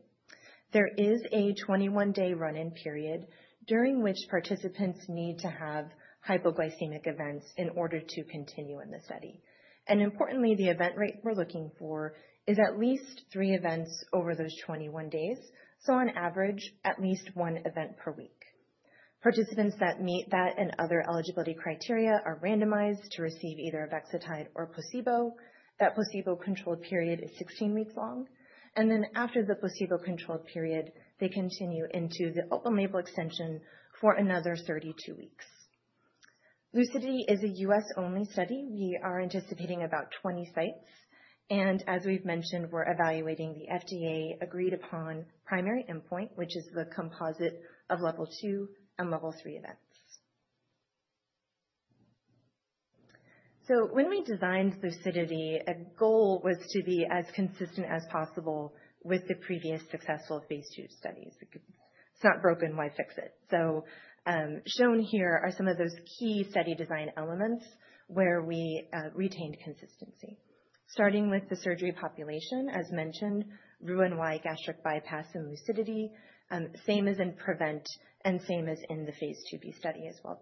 There is a 21-day run-in period during which participants need to have hypoglycemic events in order to continue in the study. Importantly, the event rate we're looking for is at least three events over those 21 days, so on average at least one event per week. Participants that meet that and other eligibility criteria are randomized to receive either avexitide or placebo. That placebo-controlled period is 16 weeks long. After the placebo-controlled period, they continue into the open-label extension for another 32 weeks. LUCIDITY is a U.S.-only study. We are anticipating about 20 sites, and as we've mentioned, we're evaluating the FDA-agreed upon primary endpoint, which is the composite of level 2 and level 3 events. When we designed LUCIDITY, a goal was to be as consistent as possible with the previous successful Phase 2 studies. It's not broken, why fix it? Shown here are some of those key study design elements where we retained consistency, starting with the surgery population as mentioned, Roux-en-Y gastric bypass in LUCIDITY, and same as in PREVENT and same as in the Phase 2b study as well.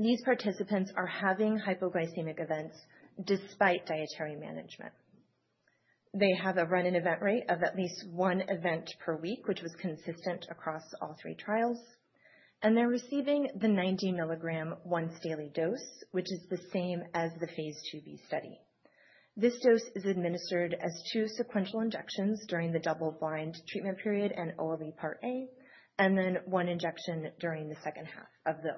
These participants are having hypoglycemic events despite dietary management. They have a run-in event rate of at least one event per week, which was consistent across all three trials. They're receiving the 90 milligram once-daily dose, which is the same as the Phase 2b study. This dose is administered as two sequential injections during the double-blind treatment period and OLE Part A, and then one injection during the second half of the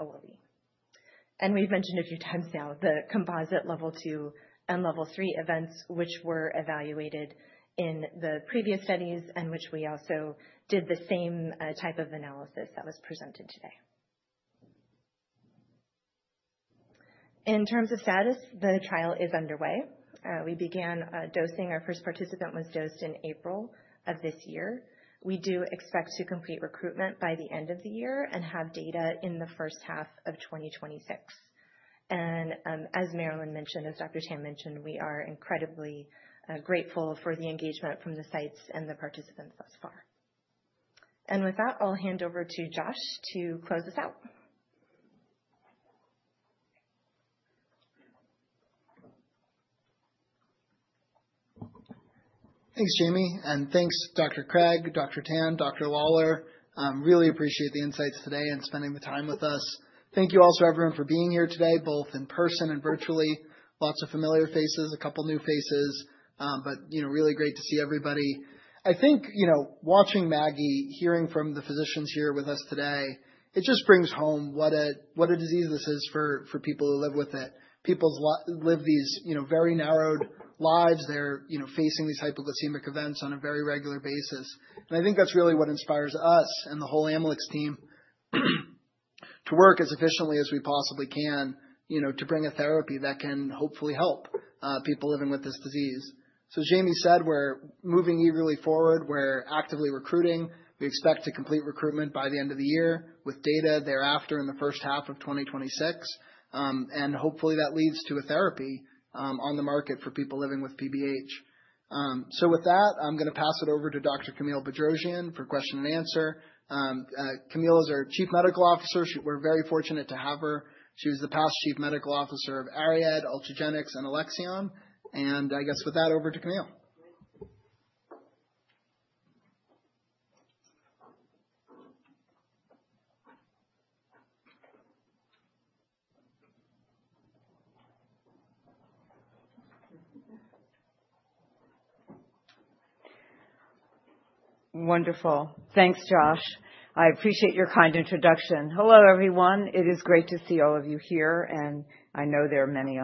OLE. We've mentioned a few times now the composite level 2 and level 3 events, which were evaluated in the previous studies and which we also did the same type of analysis that was presented today. In terms of status, the trial is underway. We began dosing. Our first participant was dosed in April of this year. We do expect to complete recruitment by the end of the year and have data in the first half of 2026. As Marilyn mentioned, as Dr. Tan mentioned, we are incredibly grateful for the engagement from the sites and the participants thus far. With that, I'll hand over to Josh to close us. Thanks, Jamie. Thanks, Dr. Craig, Dr. Tan, Dr. Lawler. Really appreciate the insights today and spending the time with us. Thank you also, everyone, for being here today, both in person and virtually. Lots of familiar faces, a couple new faces, but, you know, really great to see everybody. I think, you know, watching Maggie, hearing from the physicians here with us today, it just brings home what a disease this is for people who live with it. People live these very narrowed lives. They're facing these hypoglycemic events on a very regular basis. I think that's really what inspires us and the whole Amylyx team to work as efficiently as we possibly can to bring a therapy that can hopefully help people living with this disease. As Jamie said, we're moving eagerly forward. We're actively recruiting. We expect to complete recruitment by the end of the year with data thereafter in the first half of 2026, and hopefully that leads to a therapy on the market for people living with PBH. With that, I'm going to pass it over to Dr. Camille Bedrosian for question and answer. Camille is our Chief Medical Officer. We're very fortunate to have her. She was the past Chief Medical Officer of Ariad, Ultragenyx, and Alexion. With that, over to Camille. Wonderful. Thanks, Josh. I appreciate your kind introduction. Hello, everyone. It is great to see all of you here, and I know there are many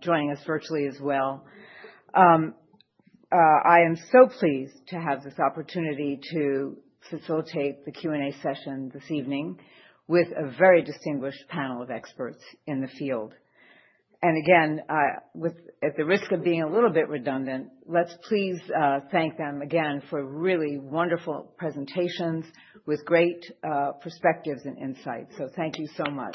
joining us virtually as well. I am so pleased to have this opportunity to facilitate the Q and A session this evening with a very distinguished panel of experts in the field. At the risk of being a little bit redundant, let's please thank them again for really wonderful presentations with great perspectives and insights. Thank you so much.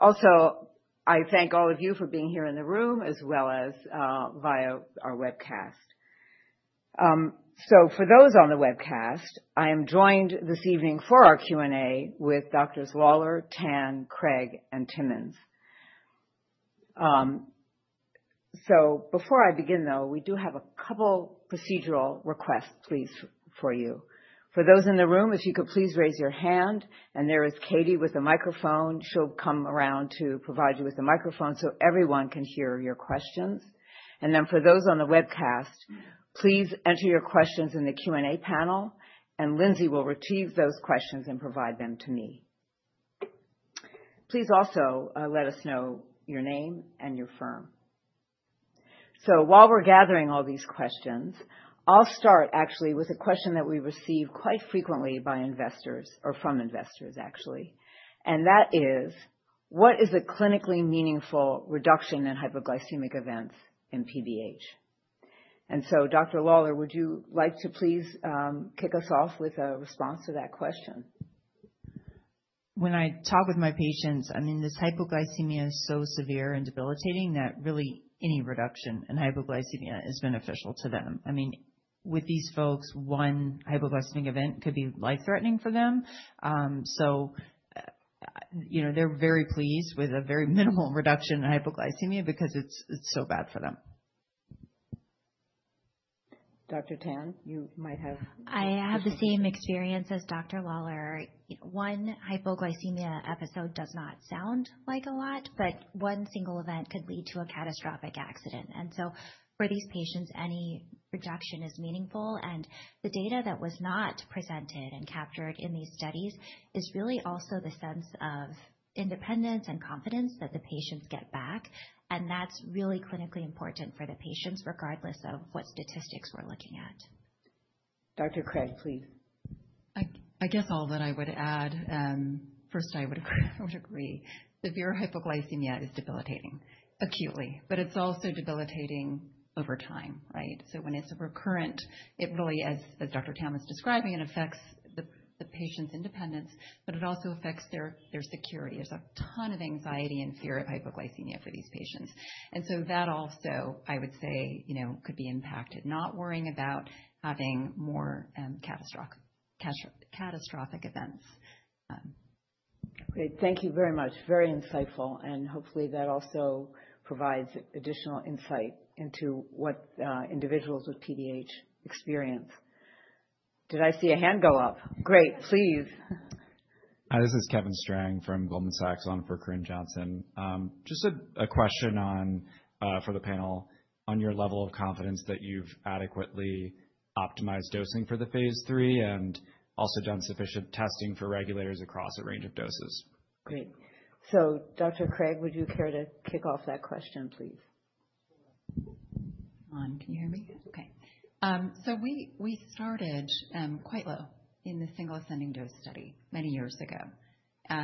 Also, I thank all of you. Being here in the room as well. As via our webcast. For those on the webcast, I am joined this evening for our Q and A with Drs. Lawler, Tan, Craig, and Timmons. Before I begin, we do have a couple procedural requests. Please, for those in the room, if you could, please raise your hand. There is Katie with a microphone. She'll come around to provide you with the microphone so everyone can hear your questions. For those on the webcast, please enter your questions in the Q and A panel and Lindsey will retrieve those questions and provide them to me. Please also let us know your name and your firm. While we're gathering all these questions, I'll start actually with a question that we receive quite frequently by investors or from investors, actually, and that is, what is a clinically meaningful reduction in hypoglycemic events in PBH? Dr. Lawler, would you like to please kick us off with a response to that question? When I talk with my patients, this hypoglycemia is so severe and debilitating that really any reduction in hypoglycemia. Is beneficial to them. With these folks, one hypoglycemic event could be life threatening for them. They're very pleased with a very minimal reduction in hypoglycemia because it's so bad for them. Dr. Tan, you might have. I have the same experience as Dr. Lawler. One hypoglycemia episode does not sound like a lot, but one single event could lead to a catastrophic accident. For these patients, any reduction is meaningful. The data that was not presented and captured in these studies is really also the sense of independence and confidence that the patients get back. That's really clinically important for the patients, regardless of what statistics we're looking at. Dr. Craig, please. I guess all that I would add first, I would agree. Severe hypoglycemia is debilitating acutely, but it's also debilitating over time. Right. When it's recurrent, it really, as Dr. Tan is describing, it affects the patient's independence, but it also affects their security. There's a ton of anxiety and fear of hypoglycemia for these patients. That also, I would say, could be impacted, not worrying about having more catastrophic events. Great. Thank you very much. Very insightful. Hopefully that also provides additional insight into what individuals with PBH experience. I see a hand go up. Great. Please. Hi, this is Kevin Strang from Goldman Sachs on for Corinne Johnson. Just a question for the panel on your level of confidence that you've adequately optimized dosing for the Phase 3 and also done sufficient testing for regulators across a range of doses. Great. Dr. Craig, would you care to kick off that question, please? Can you hear me? Okay, we started quite low in the single ascending dose study many years ago.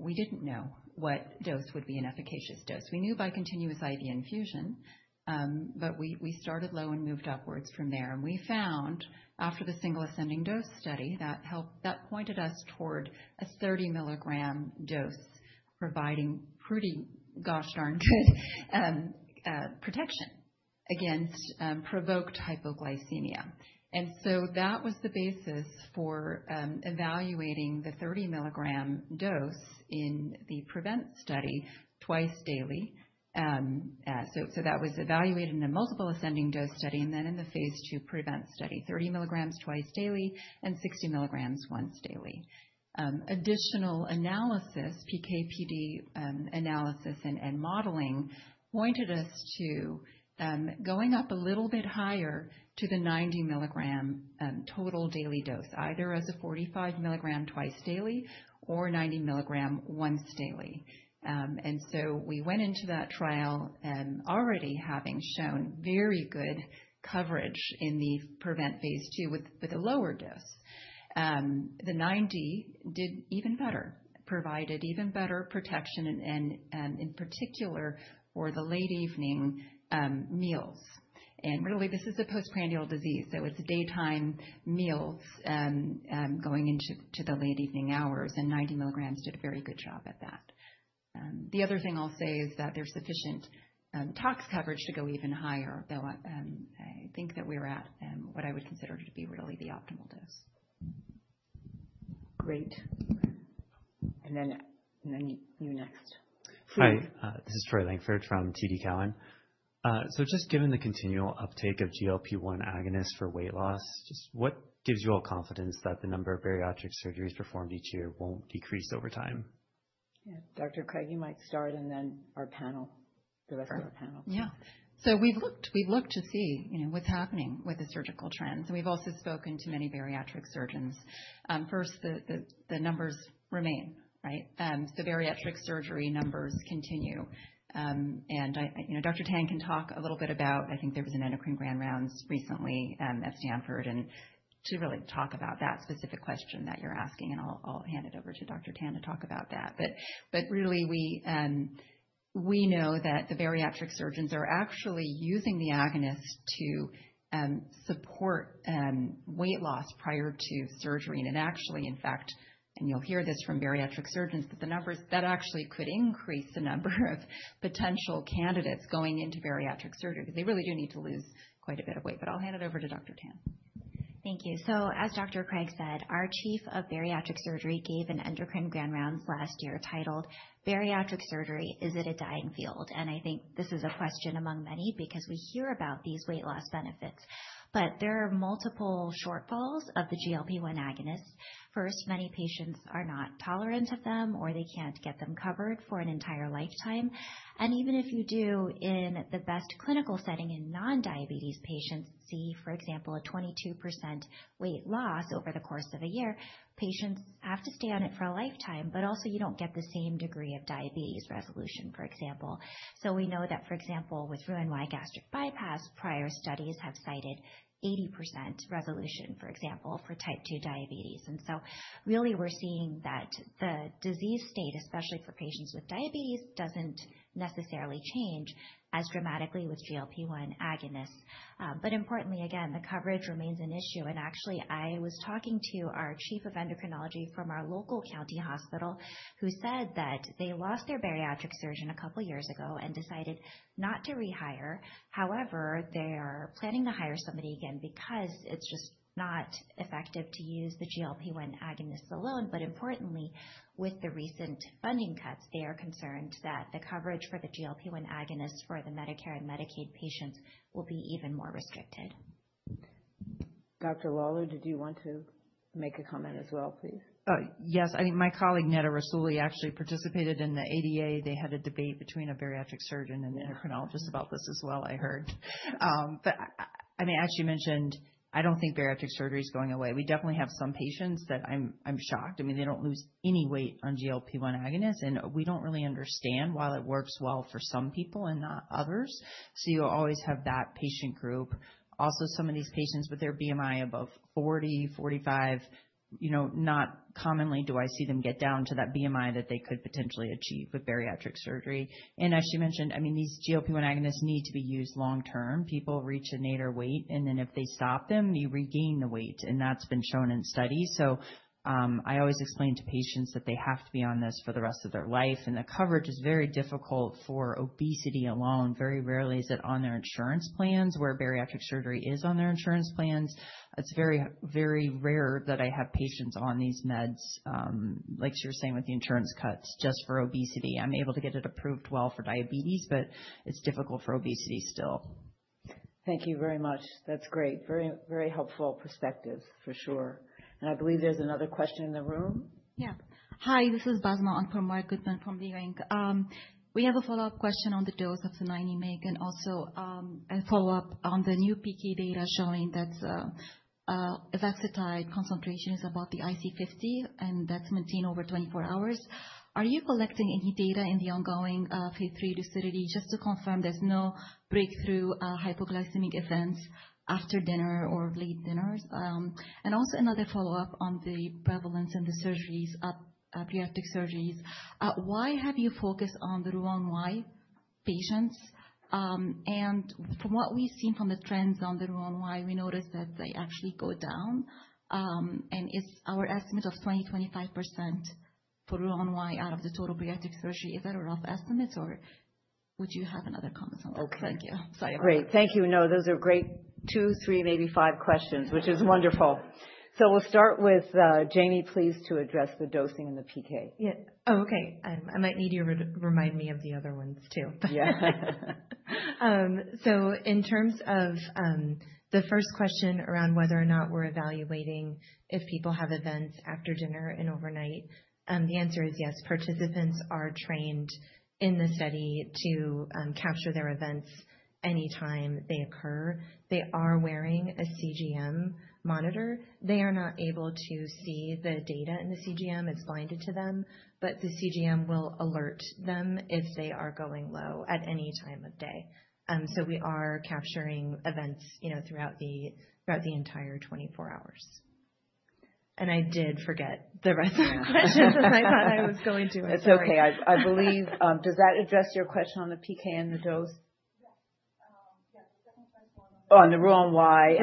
We didn't know what dose would be an efficacious dose. We knew by continuous IV infusion, but we started low and moved upwards from there. We found after the single ascending dose study that pointed us toward a 30 milligram dose, providing pretty gosh darn good protection against provoked hypoglycemia. That was the basis for evaluating the 30 milligram dose in the PREVENT study twice daily. That was evaluated in a multiple ascending dose study. In the Phase 2 PREVENT study, 30 mg twice daily and 60 mg once daily. Additional analysis, PK PD analysis and modeling pointed us to going up a little bit higher to the 90 milligram total daily dose, either as a 45 milligram twice daily or 90 milligram once daily. We went into that trial already having shown very good coverage in the PREVENT Phase 2 with a lower dose. The 90 did even better, provided even better protection, and in particular, for the late evening meals. Really, this is a postprandial disease. It's daytime meals going into the late evening hours. Ninety milligrams did a very good job at that. The other thing I'll say is that there's sufficient tox coverage to go even higher, though I think that we're at what I would consider to be really the optimal dose. Great. You next. Hi, this is Troy Langford from TD Cowan. Given the continual uptake of GLP-1 agonists for weight loss, what gives you all confidence that the number of bariatric surgeries performed each year won't decrease over time? Dr. Craig, you might start, and then our panel, the rest of the panel. Yeah, so we've looked to see what's happening with the surgical trends, and we've also spoken to many bariatric surgeons. First, the numbers remain. Right. Bariatric surgery numbers continue. Dr. Tan can talk a little bit about that. I think there was an endocrine grand rounds recently at Stanford University to really talk about that specific question that you're asking. I'll hand it over to Dr. Tan to talk about that. We know that the bariatric surgeons are actually using the agonist to support weight loss prior to surgery. In fact, you'll hear this from bariatric surgeons, but the numbers could increase the number of potential candidates going into bariatric surgery because they really do need to lose quite. A bit of weight. I'll hand it over to Dr. Tan. Thank you. As Dr. Craig said, our Chief of Bariatric Surgery gave an endocrine grand rounds last year titled "Bariatric Surgery: Is it a Dying Field?" I think this is a question among many because we hear about these weight loss benefits, but there are multiple shortfalls of the GLP-1 agonists. First, many patients are not tolerant of them or they can't get them covered for an entire lifetime. Even if you do, in the best clinical setting, in non-diabetes patients, see for example a 22% weight loss over the course of a year, patients have to stay on it for a lifetime. Also, you don't get the same degree of diabetes resolution, for example. We know that, for example, with Roux-en-Y gastric bypass, prior studies have cited 80% resolution, for example, for type 2 diabetes. Really, we're seeing that the disease state, especially for patients with diabetes, doesn't necessarily change as dramatically with GLP-1 agonists. Importantly, again, the coverage remains an issue. Actually, I was talking to our Chief of Bariatric Surgery from our local county hospital who said that they lost their bariatric surgeon a couple years ago and decided not to rehire. However, they are planning to hire somebody again because it's just not effective to use the GLP-1 agonist alone. Importantly, with the recent funding cuts, they are concerned that the coverage for the GLP-1 agonist for the Medicare and Medicaid patients will be even more restricted. Dr. Lawler, did you want to make. A comment as well, please? Yes, I think my colleague Neda Rasooli actually participated in the ADA. They had a debate between a bariatric surgeon and endocrinologist about this as well. I heard. As you mentioned, I don't think bariatric surgery is going away. We definitely have some patients that I'm shocked. I mean, they don't lose any weight on GLP-1 agonists. We don't really understand why it works well for some people and not others. You always have that patient group. Also, some of these patients with their BMI above 40, 45, not commonly do I see them get down to that BMI that they could potentially achieve with bariatric surgery. As she mentioned, these GLP-1 agonists need to be used long term. People reach a nadir weight and then if they stop them, you regain the weight. That's been shown in studies. I always explain to patients that they have to be on this for the rest of their life and the coverage is very difficult for obesity alone. Very rarely is it on their insurance plans where bariatric surgery is on their insurance plans. It's very, very rare that I have patients on these meds. Like she was saying, with the insurance cuts just for obesity I'm able to get it approved well for diabetes, but it's difficult for obesity still. Thank you very much. That's great. Very, very helpful perspectives for sure. I believe there's another question in the room. Yeah, hi, this is Basma Anpur Martin from Lee Ring. We have a follow-up question on the dose of the nine and also a follow-up on the new PK data showing that avexitide concentration is above the IC50 and that's maintained over 24 hours. Are you collecting any data in the ongoing Phase 3 LUCIDITY, just to confirm there's no breakthrough hypoglycemic events after dinner or late dinner? Also, another follow-up on the prevalence in the surgeries. Why have you focused on the Roux-en-Y patients? From what we've seen from the trends on the Roux-en-Y, we noticed that they actually go down. Is our estimate of 20-25% for Roux-en-Y out of the total bariatric surgery, is that a rough estimate or would you have another comment? Oh, thank you. Sorry about that. Great. Thank you. No, those are great. Two, three, maybe five questions, which is wonderful. We'll start with Jamie, please, to address the dosing and the PK. Yeah. Okay. I might need you to remind me of the other ones, too. In terms of the first question around whether or not we're evaluating if people have events after dinner and overnight, the answer is yes. Participants are trained in the study to capture their events anytime they occur. They are wearing a CGM monitor. They are not able to see the data in the CGM. It's blinded to them. The CGM will alert them if they are going low at any time of day. We are capturing events throughout the entire 24 hours. I did forget the rest of the questions, and I thought I was going to. It's okay, I believe. Does that address your question? PK and the dose. On the Roux-en-Y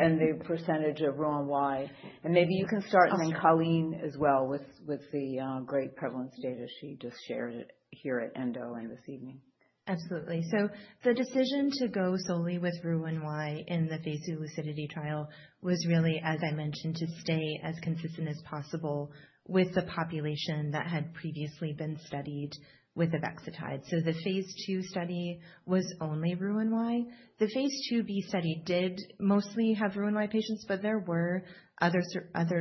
and the percentage of Roux-en-Y. Maybe you can start, Colleen, as well, with the great prevalence data she just shared here at Endo this evening? Absolutely. The decision to go solely with Roux-en-Y in the Phase 2 LUCIDITY trial was really, as I mentioned, to stay as consistent as possible with the population that had previously been studied with avexitide. The Phase 2 study was only Roux-en-Y. The Phase 2b study did mostly have Roux-en-Y patients, but there were other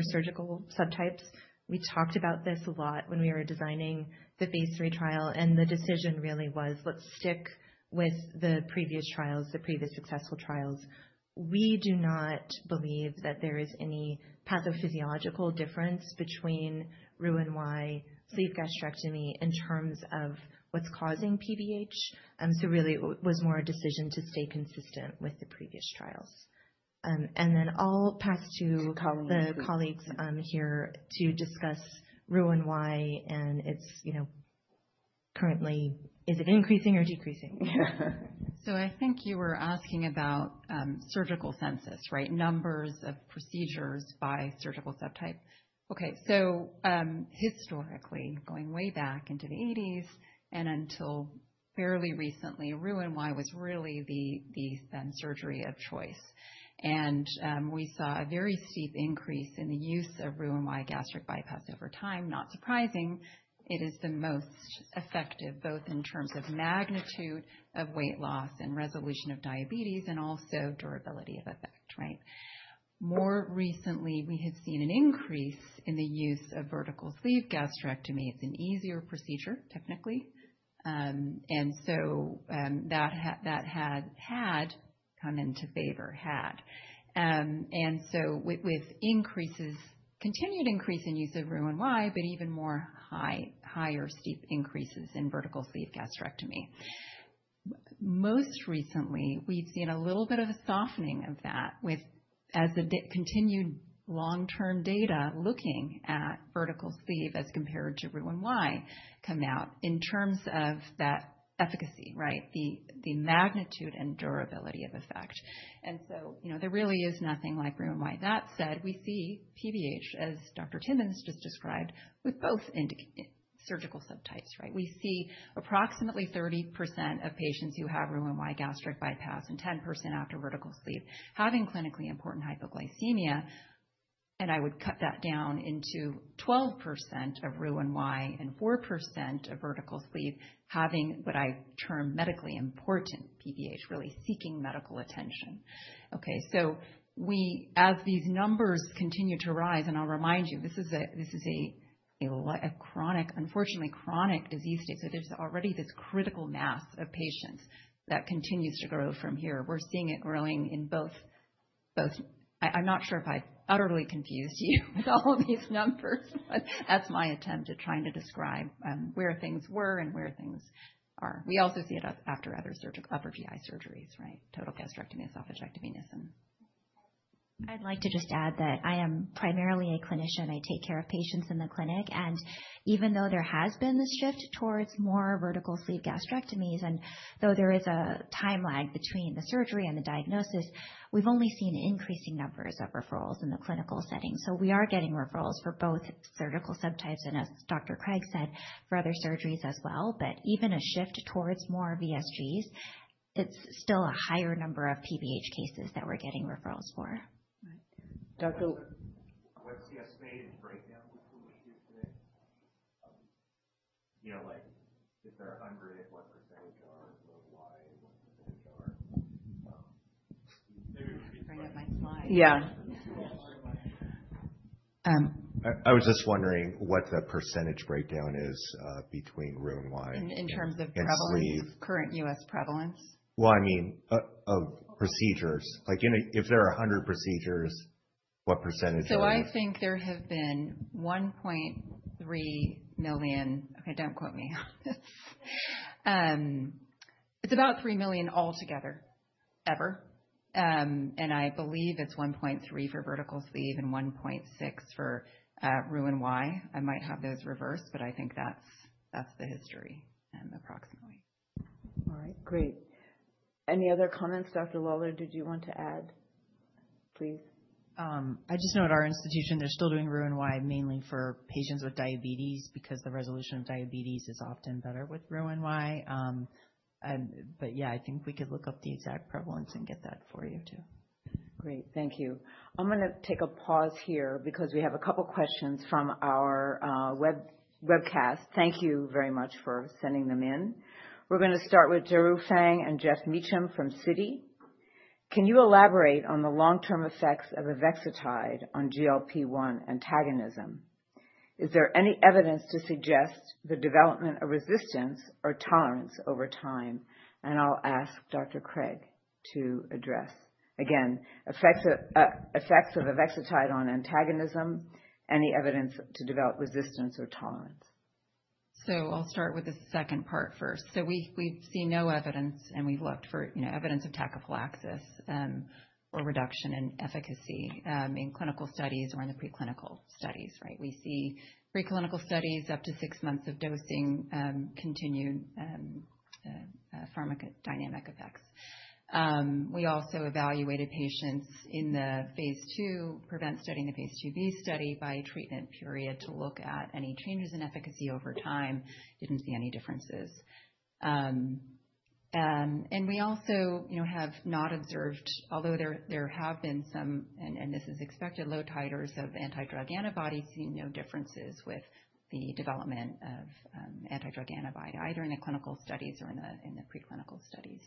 surgical subtypes. We talked about this a lot when we were designing the Phase 3 trial. The decision really was, let's stick with the previous trials, the previous successful trials. We do not believe that there is any pathophysiological difference between Roux-en-Y and sleeve gastrectomy in terms of what's causing PBH. It was more a decision to stay consistent with the previous trials. I'll pass to the colleagues here to discuss Roux-en-Y. It's, you know, currently is it increasing or decreasing? I think you were asking about surgical sensitivity, right? Numbers of procedures by surgical subtype. Historically, going way back into the 1980s and until fairly recently, Roux-en-Y was really the surgery of choice. We saw a very steep increase in the use of Roux-en-Y gastric bypass over time. Not surprising. It is the most effective both in terms of magnitude of weight loss and resolution of diabetes, and also durability of effect. Right. More recently we had seen an increase in the use of vertical sleeve gastrectomy. It's an easier procedure technically, and so that had come into favor. With increases, continued increase in use of Roux-en-Y, but even higher steep increases in vertical sleeve gastrectomy, most recently we've seen a little bit of a softening of that as the continued long-term data looking at vertical sleeve as compared to Roux-en-Y come out in terms of that efficacy. Right. The magnitude and durability of effect. You know, there really is nothing like Roux-en-Y. That said, we see PBH as Dr. Timmons just described, with both surgical subtypes. Right. We see approximately 30% of patients who have Roux-en-Y gastric bypass and 10% after vertical sleeve having clinically important hypoglycemia. I would cut that down into 12% of Roux-en-Y and 4% of vertical sleeve having what I term medically important PBH, really seeking medical attention. As these numbers continue to rise, and I'll remind you, this is a chronic, unfortunately chronic disease state. There's already this critical mass of patients that continues to grow from here. We're seeing it growing in both. I'm not sure if I utterly confused you with all of these numbers, but that's my attempt at trying to describe where things were and where things are. We also see it after other upper GI surgeries. Right. Total gastrectomy, esophagectomy. I'd like to just add that I am primarily a clinician. I take care of patients in the clinic. Even though there has been this shift towards more vertical sleeve gastrectomies, and though there is a time lag between the surgery and the diagnosis, we've only seen increasing numbers of referrals in the clinical setting. We are getting referrals for both surgical subtypes and, as Dr. Craig said, for other surgeries as well. Even with a shift towards more VSGs, it's still a higher number of PBH cases that we're getting referrals for. Doctor? Yeah. I was just wondering what the percentage breakdown is between Roux-en-Y in. In terms of prevalence, current U.S. prevalence? I mean of procedures. Like if there are 100 procedures, what %? I think there have been 1.3 million. Okay, don't quote me on this. It's about 3 million altogether, ever. I believe it's 1.3 for vertical sleeve and 1.6 for Roux-en-Y. I might have those reversed, but I think that's the history and approximately. All right, great. Any other comments? Dr. Lawler, did you want to add? Please. I just know at our institution they're still doing Roux-en-Y mainly for patients with diabetes because the resolution of diabetes is often better with Roux-en-Y. I think we could look. up the exact prevalence and get that for you too. Great, thank you. I'm going to take a pause here because we have a couple questions from our webcast. Thank you very much for sending them in. We're going to start with Jeru Fang and Jeff Meacham from Citi. Can you elaborate on the long term effects of avexitide on GLP-1 and tactical? Is there any evidence to suggest the development of resistance or tolerance over time? I'll ask Dr. Craig to address again effects of avexitide on antagonism, any evidence to develop resistance or tolerance. I'll start with the second part first. We see no evidence, and we've looked for evidence of tachyphylaxis or reduction in efficacy in clinical studies or in the preclinical studies. Right. We see preclinical studies up to six months of dosing, continued pharmacodynamic effects. We also evaluated patients in the Phase 2 PREVENT study and the Phase 2b study by treatment period to look at any changes in efficacy over time. We didn't see any differences. We also have not observed, although there have been some, and this is expected, low titers of antidrug antibodies. We see no differences with the development of antidrug antibody either in the clinical studies or in the preclinical studies.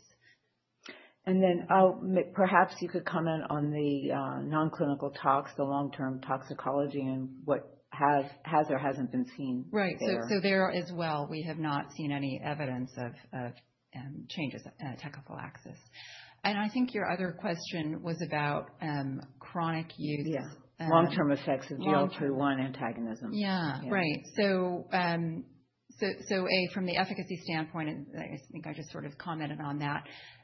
Could you comment on the nonclinical tox, the long-term toxicology, and what has or hasn't been seen? Right. There as well, we have not seen any evidence of changes in tachyphylaxis. I think your other question was. About chronic use, long-term effects of GLP-1 receptor antagonism. Right. From the efficacy standpoint, I think I just sort of commented on that.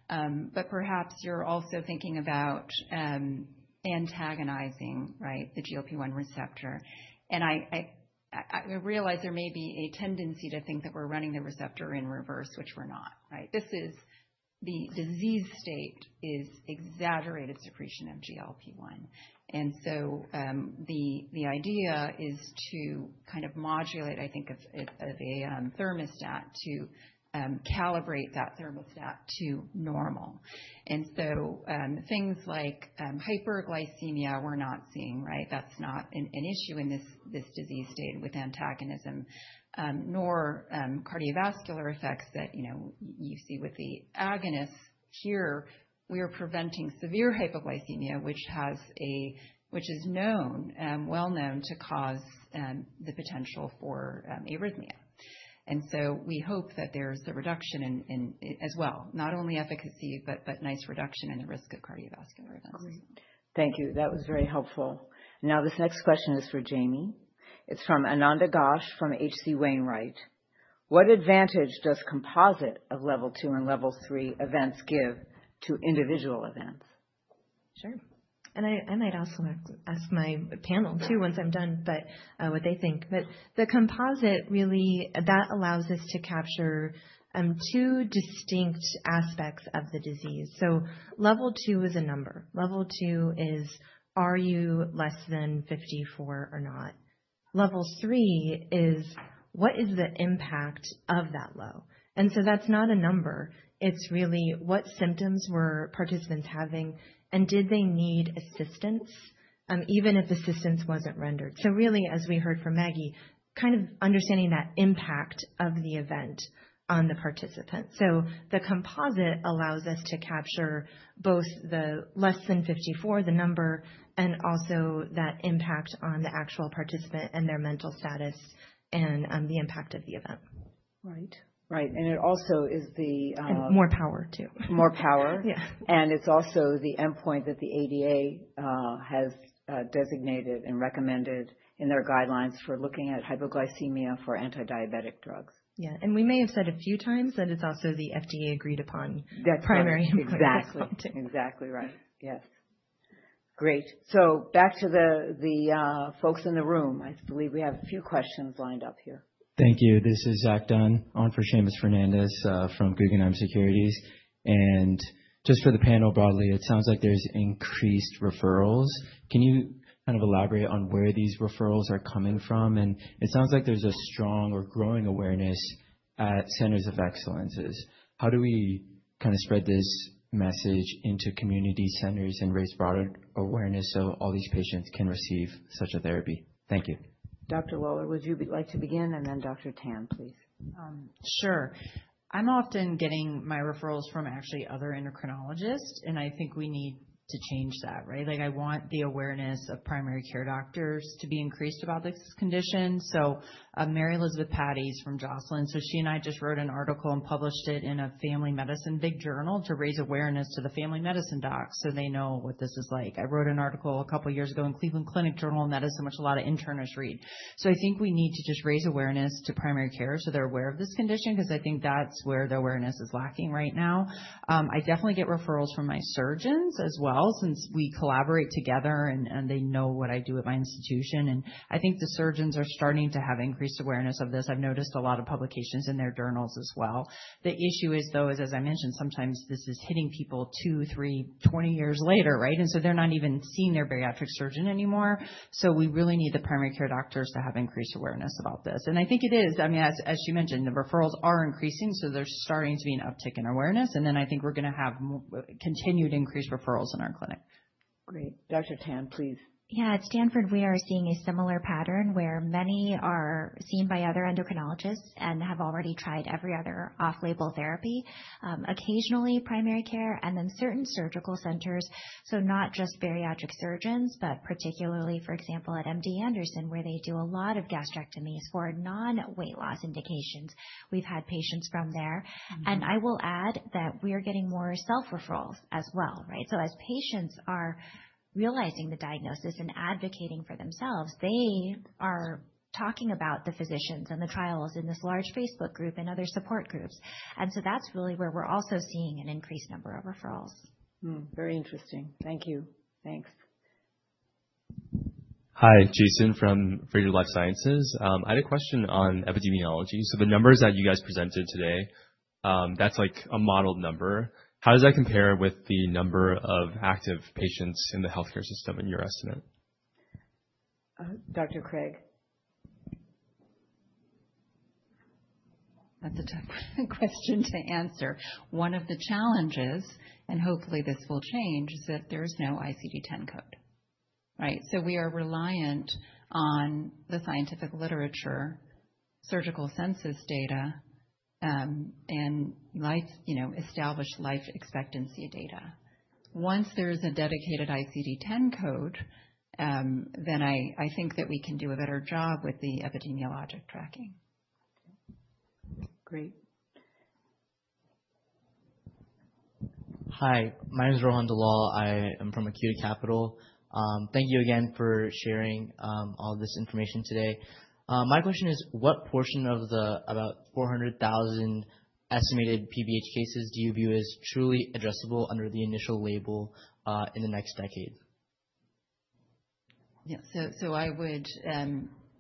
Perhaps you're also thinking about antagonizing. Right. The GLP-1 receptor. I realize there may be a tendency to think that we're running the receptor in reverse, which we're not. This disease state is exaggerated secretion of GLP-1, and the idea is to kind of modulate, I think, the thermostat to calibrate that thermostat to normal. Things like hyperglycemia were not seeing. Right. That's not an issue in this disease state with antagonism nor cardiovascular effects that you see with the agonists. Here we are preventing severe hypoglycemia, which is well known to cause the potential for arrhythmia. We hope that there's a reduction as well, not only efficacy, but nice reduction in the risk of cardiovascular events. Thank you, that was very helpful. Now this next question is for Jamie. It's from Ananda Ghosh, from HC Wainwright. What advantage does composite of level 2 and level 3 events give to individual events? Sure. I might also ask my panel too once I'm done what they think. The composite really allows us to capture two distinct aspects of the disease. Level 2 is a number. Level 2 is are you less than 54 or not. Level 3 is what is the impact of that low. That's not a number, it's really what symptoms were participants having and did they need assistance even if assistance wasn't rendered. As we heard from Maggie, kind of understanding that impact of the event on the participant. The composite allows us to capture both the less than 54, the number, and also that impact on the actual participant and their mental status and the impact of the event. Right, right. It also is the more power too. More power. It's also the endpoint that the ADA has designated and recommended in their guidelines for looking at hypoglycemia for anti diabetic drugs. Yeah, we may have said a few times that it's also the FDA agreed upon primary. Exactly right, yes. Great. Back to the folks in the room. I believe we have a few questions lined up here. Thank you. This is Zach Dunn on for Seamus Fernandez from Guggenheim Securities. For the panel, broadly it sounds like there's increased referrals. Can you kind of elaborate on where these referrals are coming from? It sounds like there's a strong or growing awareness at centers of excellence. How do we kind of spread this message into community centers and raise broader awareness so all these patients can receive such a therapy? Thank you. Dr. Lawler, would you like to begin, and then Dr. Tan, please? Sure. I'm often getting my referrals from actually other endocrinologists, and I think we need to change that. Right. I want the awareness of primary care doctors to be increased about this condition. Mary Elizabeth Patti is from Joslin. She and I just wrote an article and published it in a family medicine big journal to raise awareness to the family medicine docs so they know what this is like. I wrote an article a couple years ago in Cleveland Clinic Journal and that is so much a lot of interest internists read. I think we need to just raise awareness to primary care so they're aware of this condition because I think that's where the awareness is lacking right now. I definitely get referrals from my surgeons as well since we collaborate together and they know what I do at my institution. I think the surgeons are starting to have increased awareness of this. I've noticed a lot of publications in their journals as well. The issue is, as I mentioned, sometimes this is hitting people two, three, 20 years later. They're not even seeing their bariatric surgeon anymore. We really need the primary care doctors to have increased awareness about this. I think it is, I mean as she mentioned, the referrals are increasing so there's starting to be an uptick in awareness. I think we're going to have continued increased referrals in our clinic. Great. Dr. Tan, please. Yeah. At Stanford we are seeing a similar pattern where many are seen by other endocrinologists and have already tried every other off-label therapy, occasionally primary care and then certain surgical centers. Not just bariatric surgeons, but particularly for example at MD Anderson where they do a lot of gastrectomies for non-weight loss indications. We've had patients from there and I will add that we are getting more self-referrals as well. As patients are realizing the diagnosis and advocating for themselves, they are talking about the physicians and the trials in this large Facebook group and other support groups. That's really where we're also seeing an increased number of referrals. Very interesting. Thank you. Thanks. Hi, Jason from Fradel Life Sciences. I had a question on epidemiology. The numbers that you guys presented today, that's like a modeled number. How does that compare with the number of active patients in the healthcare system in your estimate? Dr. Craig? That's a tough question to answer. One of the challenges, and hopefully this will change, is that there is no ICD-10 code. Right. We are reliant on the scientific literature, surgical census data, and established life expectancy data. Once there is a dedicated ICD-10 code, I think that we can do a better job with the epidemiological tracking. Great. Hi, my name is Rohan Dalal. I am from Acute Capital. Thank you again for sharing all this information today. My question is, what portion of the about 400,000 estimated PBH cases do you see? Truly addressable under the initial label in the next decade? I would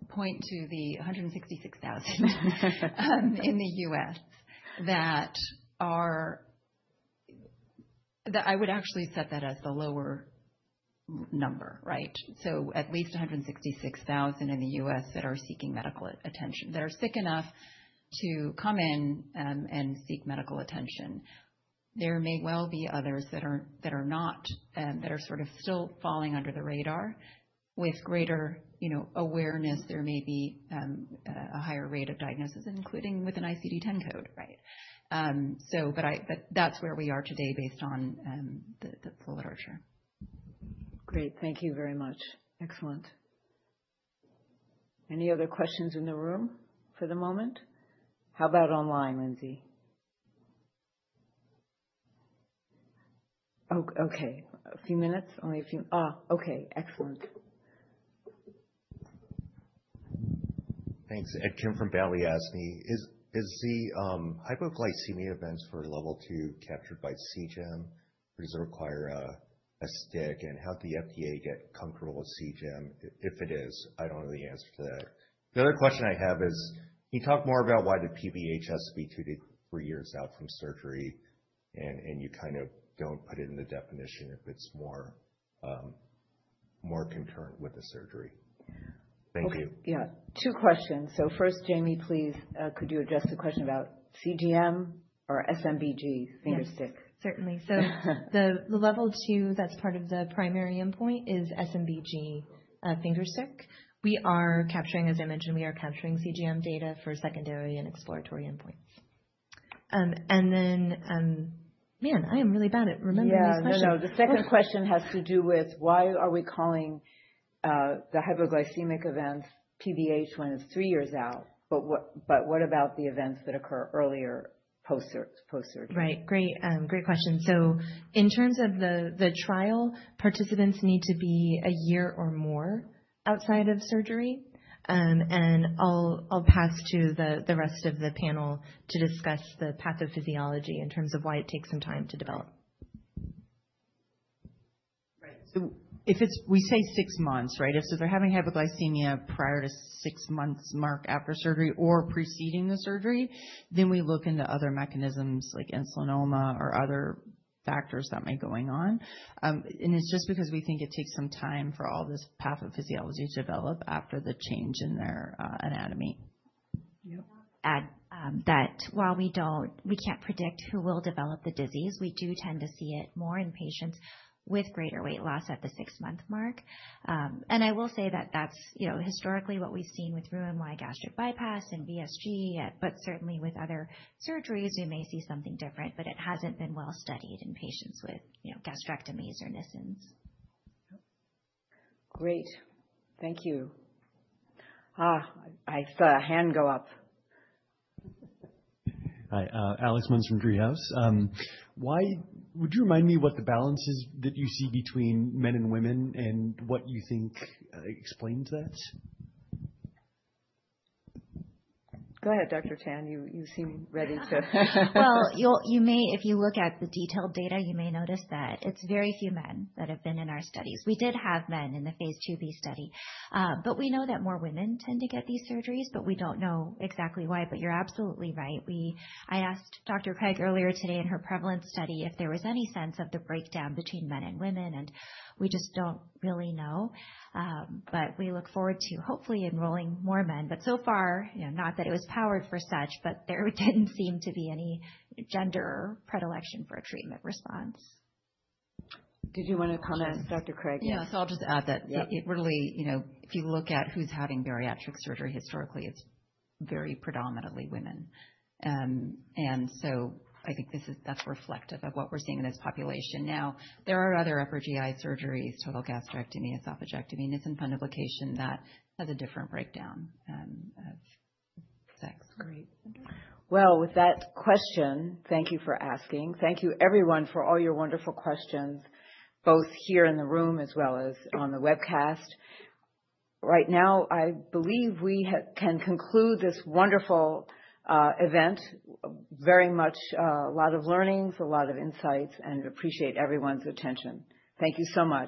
point to the 166,000 in the U.S. that are. I would actually set that as the lower number. Right. At least 166,000 in the U.S. that are seeking medical attention, that are sick enough to come in and seek medical attention. There may well be others that are not, that are sort of still falling under the radar. With greater, you know, awareness, there may be a higher rate of diagnosis, including with an ICD10 code. Right. That's where we are today, based on the flow of Archer. Great. Thank you very much. Excellent. Any other questions in the room for the moment? How about online? Lindsey? Okay. A few minutes. Only a few. Ah. Okay. Excellent. Thanks. Ed Kim from Bally asked me, is the hypoglycemia events for level 2 captured by CGM or does it require a stick? How did the FDA get comfortable with CGM if it is? I don't know the answer to that. The other question I have is, can you talk more about why the PBH is two to three years out from surgery and you kind of don't put in the definition if it's more concurrent with the surgery. Thank you. Yeah. Two questions. First, Jamie, please, could you address the question about CGM or SMBG finger stick? Certainly. The level 2 that's part of the primary endpoint is SMBG finger stick. We are capturing, as I mentioned, we are capturing CGM data for secondary and exploratory endpoints. I am really bad at remembering these questions. Yeah. The second question has to do with why are we calling the hypoglycemic events PBH when it's three years out, but what about the events that occur earlier post surgery? Right. Great question. In terms of the trial, participants need to be a year or more outside of surgery. I'll pass to the rest of the panel to discuss the pathophysiology in terms of why it takes some time to develop. If it's. We say six months. Right. If they're having hypoglycemia prior to the six-month mark after surgery or preceding the surgery, we look into other mechanisms like insulinoma or other factors that might be going on. It's just because we think it takes some time for all this pathophysiology to develop after the change in their anatomy. Add that while we can't predict who will develop the disease, we do tend to see it more in patients with greater weight loss at the six month mark. I will say that that's historically what we've seen with Roux-en-Y gastric bypass and VSG. Certainly with other surgeries we may see something different, but it hasn't been well studied in patients with gastrectomies or Nissens. Great, thank you. I saw a hand go up. Hi, Alex Muns from Driehaus. Would you remind me what the balance is that you see between men and women and what you think explained that. Go ahead. Dr. Tan, you seem ready to. You may. If you look at the detailed data, you may notice that it's very few men that have been in our studies. We did have men in the Phase 2b study, but we know that more women tend to get these surgeries, though we don't know exactly why. You're absolutely right. I asked Dr. Craig earlier today in her prevalence study if there was any sense of the breakdown between men and women, and we just don't really know. We look forward to hopefully enrolling more men. So far, not that it was powered for such, but there didn't seem to be any gender predilection for a treatment response. Did you want to comment, Dr. Craig? Yes. I'll just add that if you look at who's having bariatric surgery historically, it's very predominantly women. I think that's reflective of what we're seeing in this population. There are other upper GI surgeries, total gastrectomy, esophagectomy, and some fundoplication that has a different breakdown of sex. Thank you for asking that question. Thank you everyone, for all your wonderful. Questions, both here in the room as well. As on the webcast right now, I believe we can conclude this wonderful event. Very much a lot of learnings, a lot of insights, and appreciate everyone's attention. Thank you so much.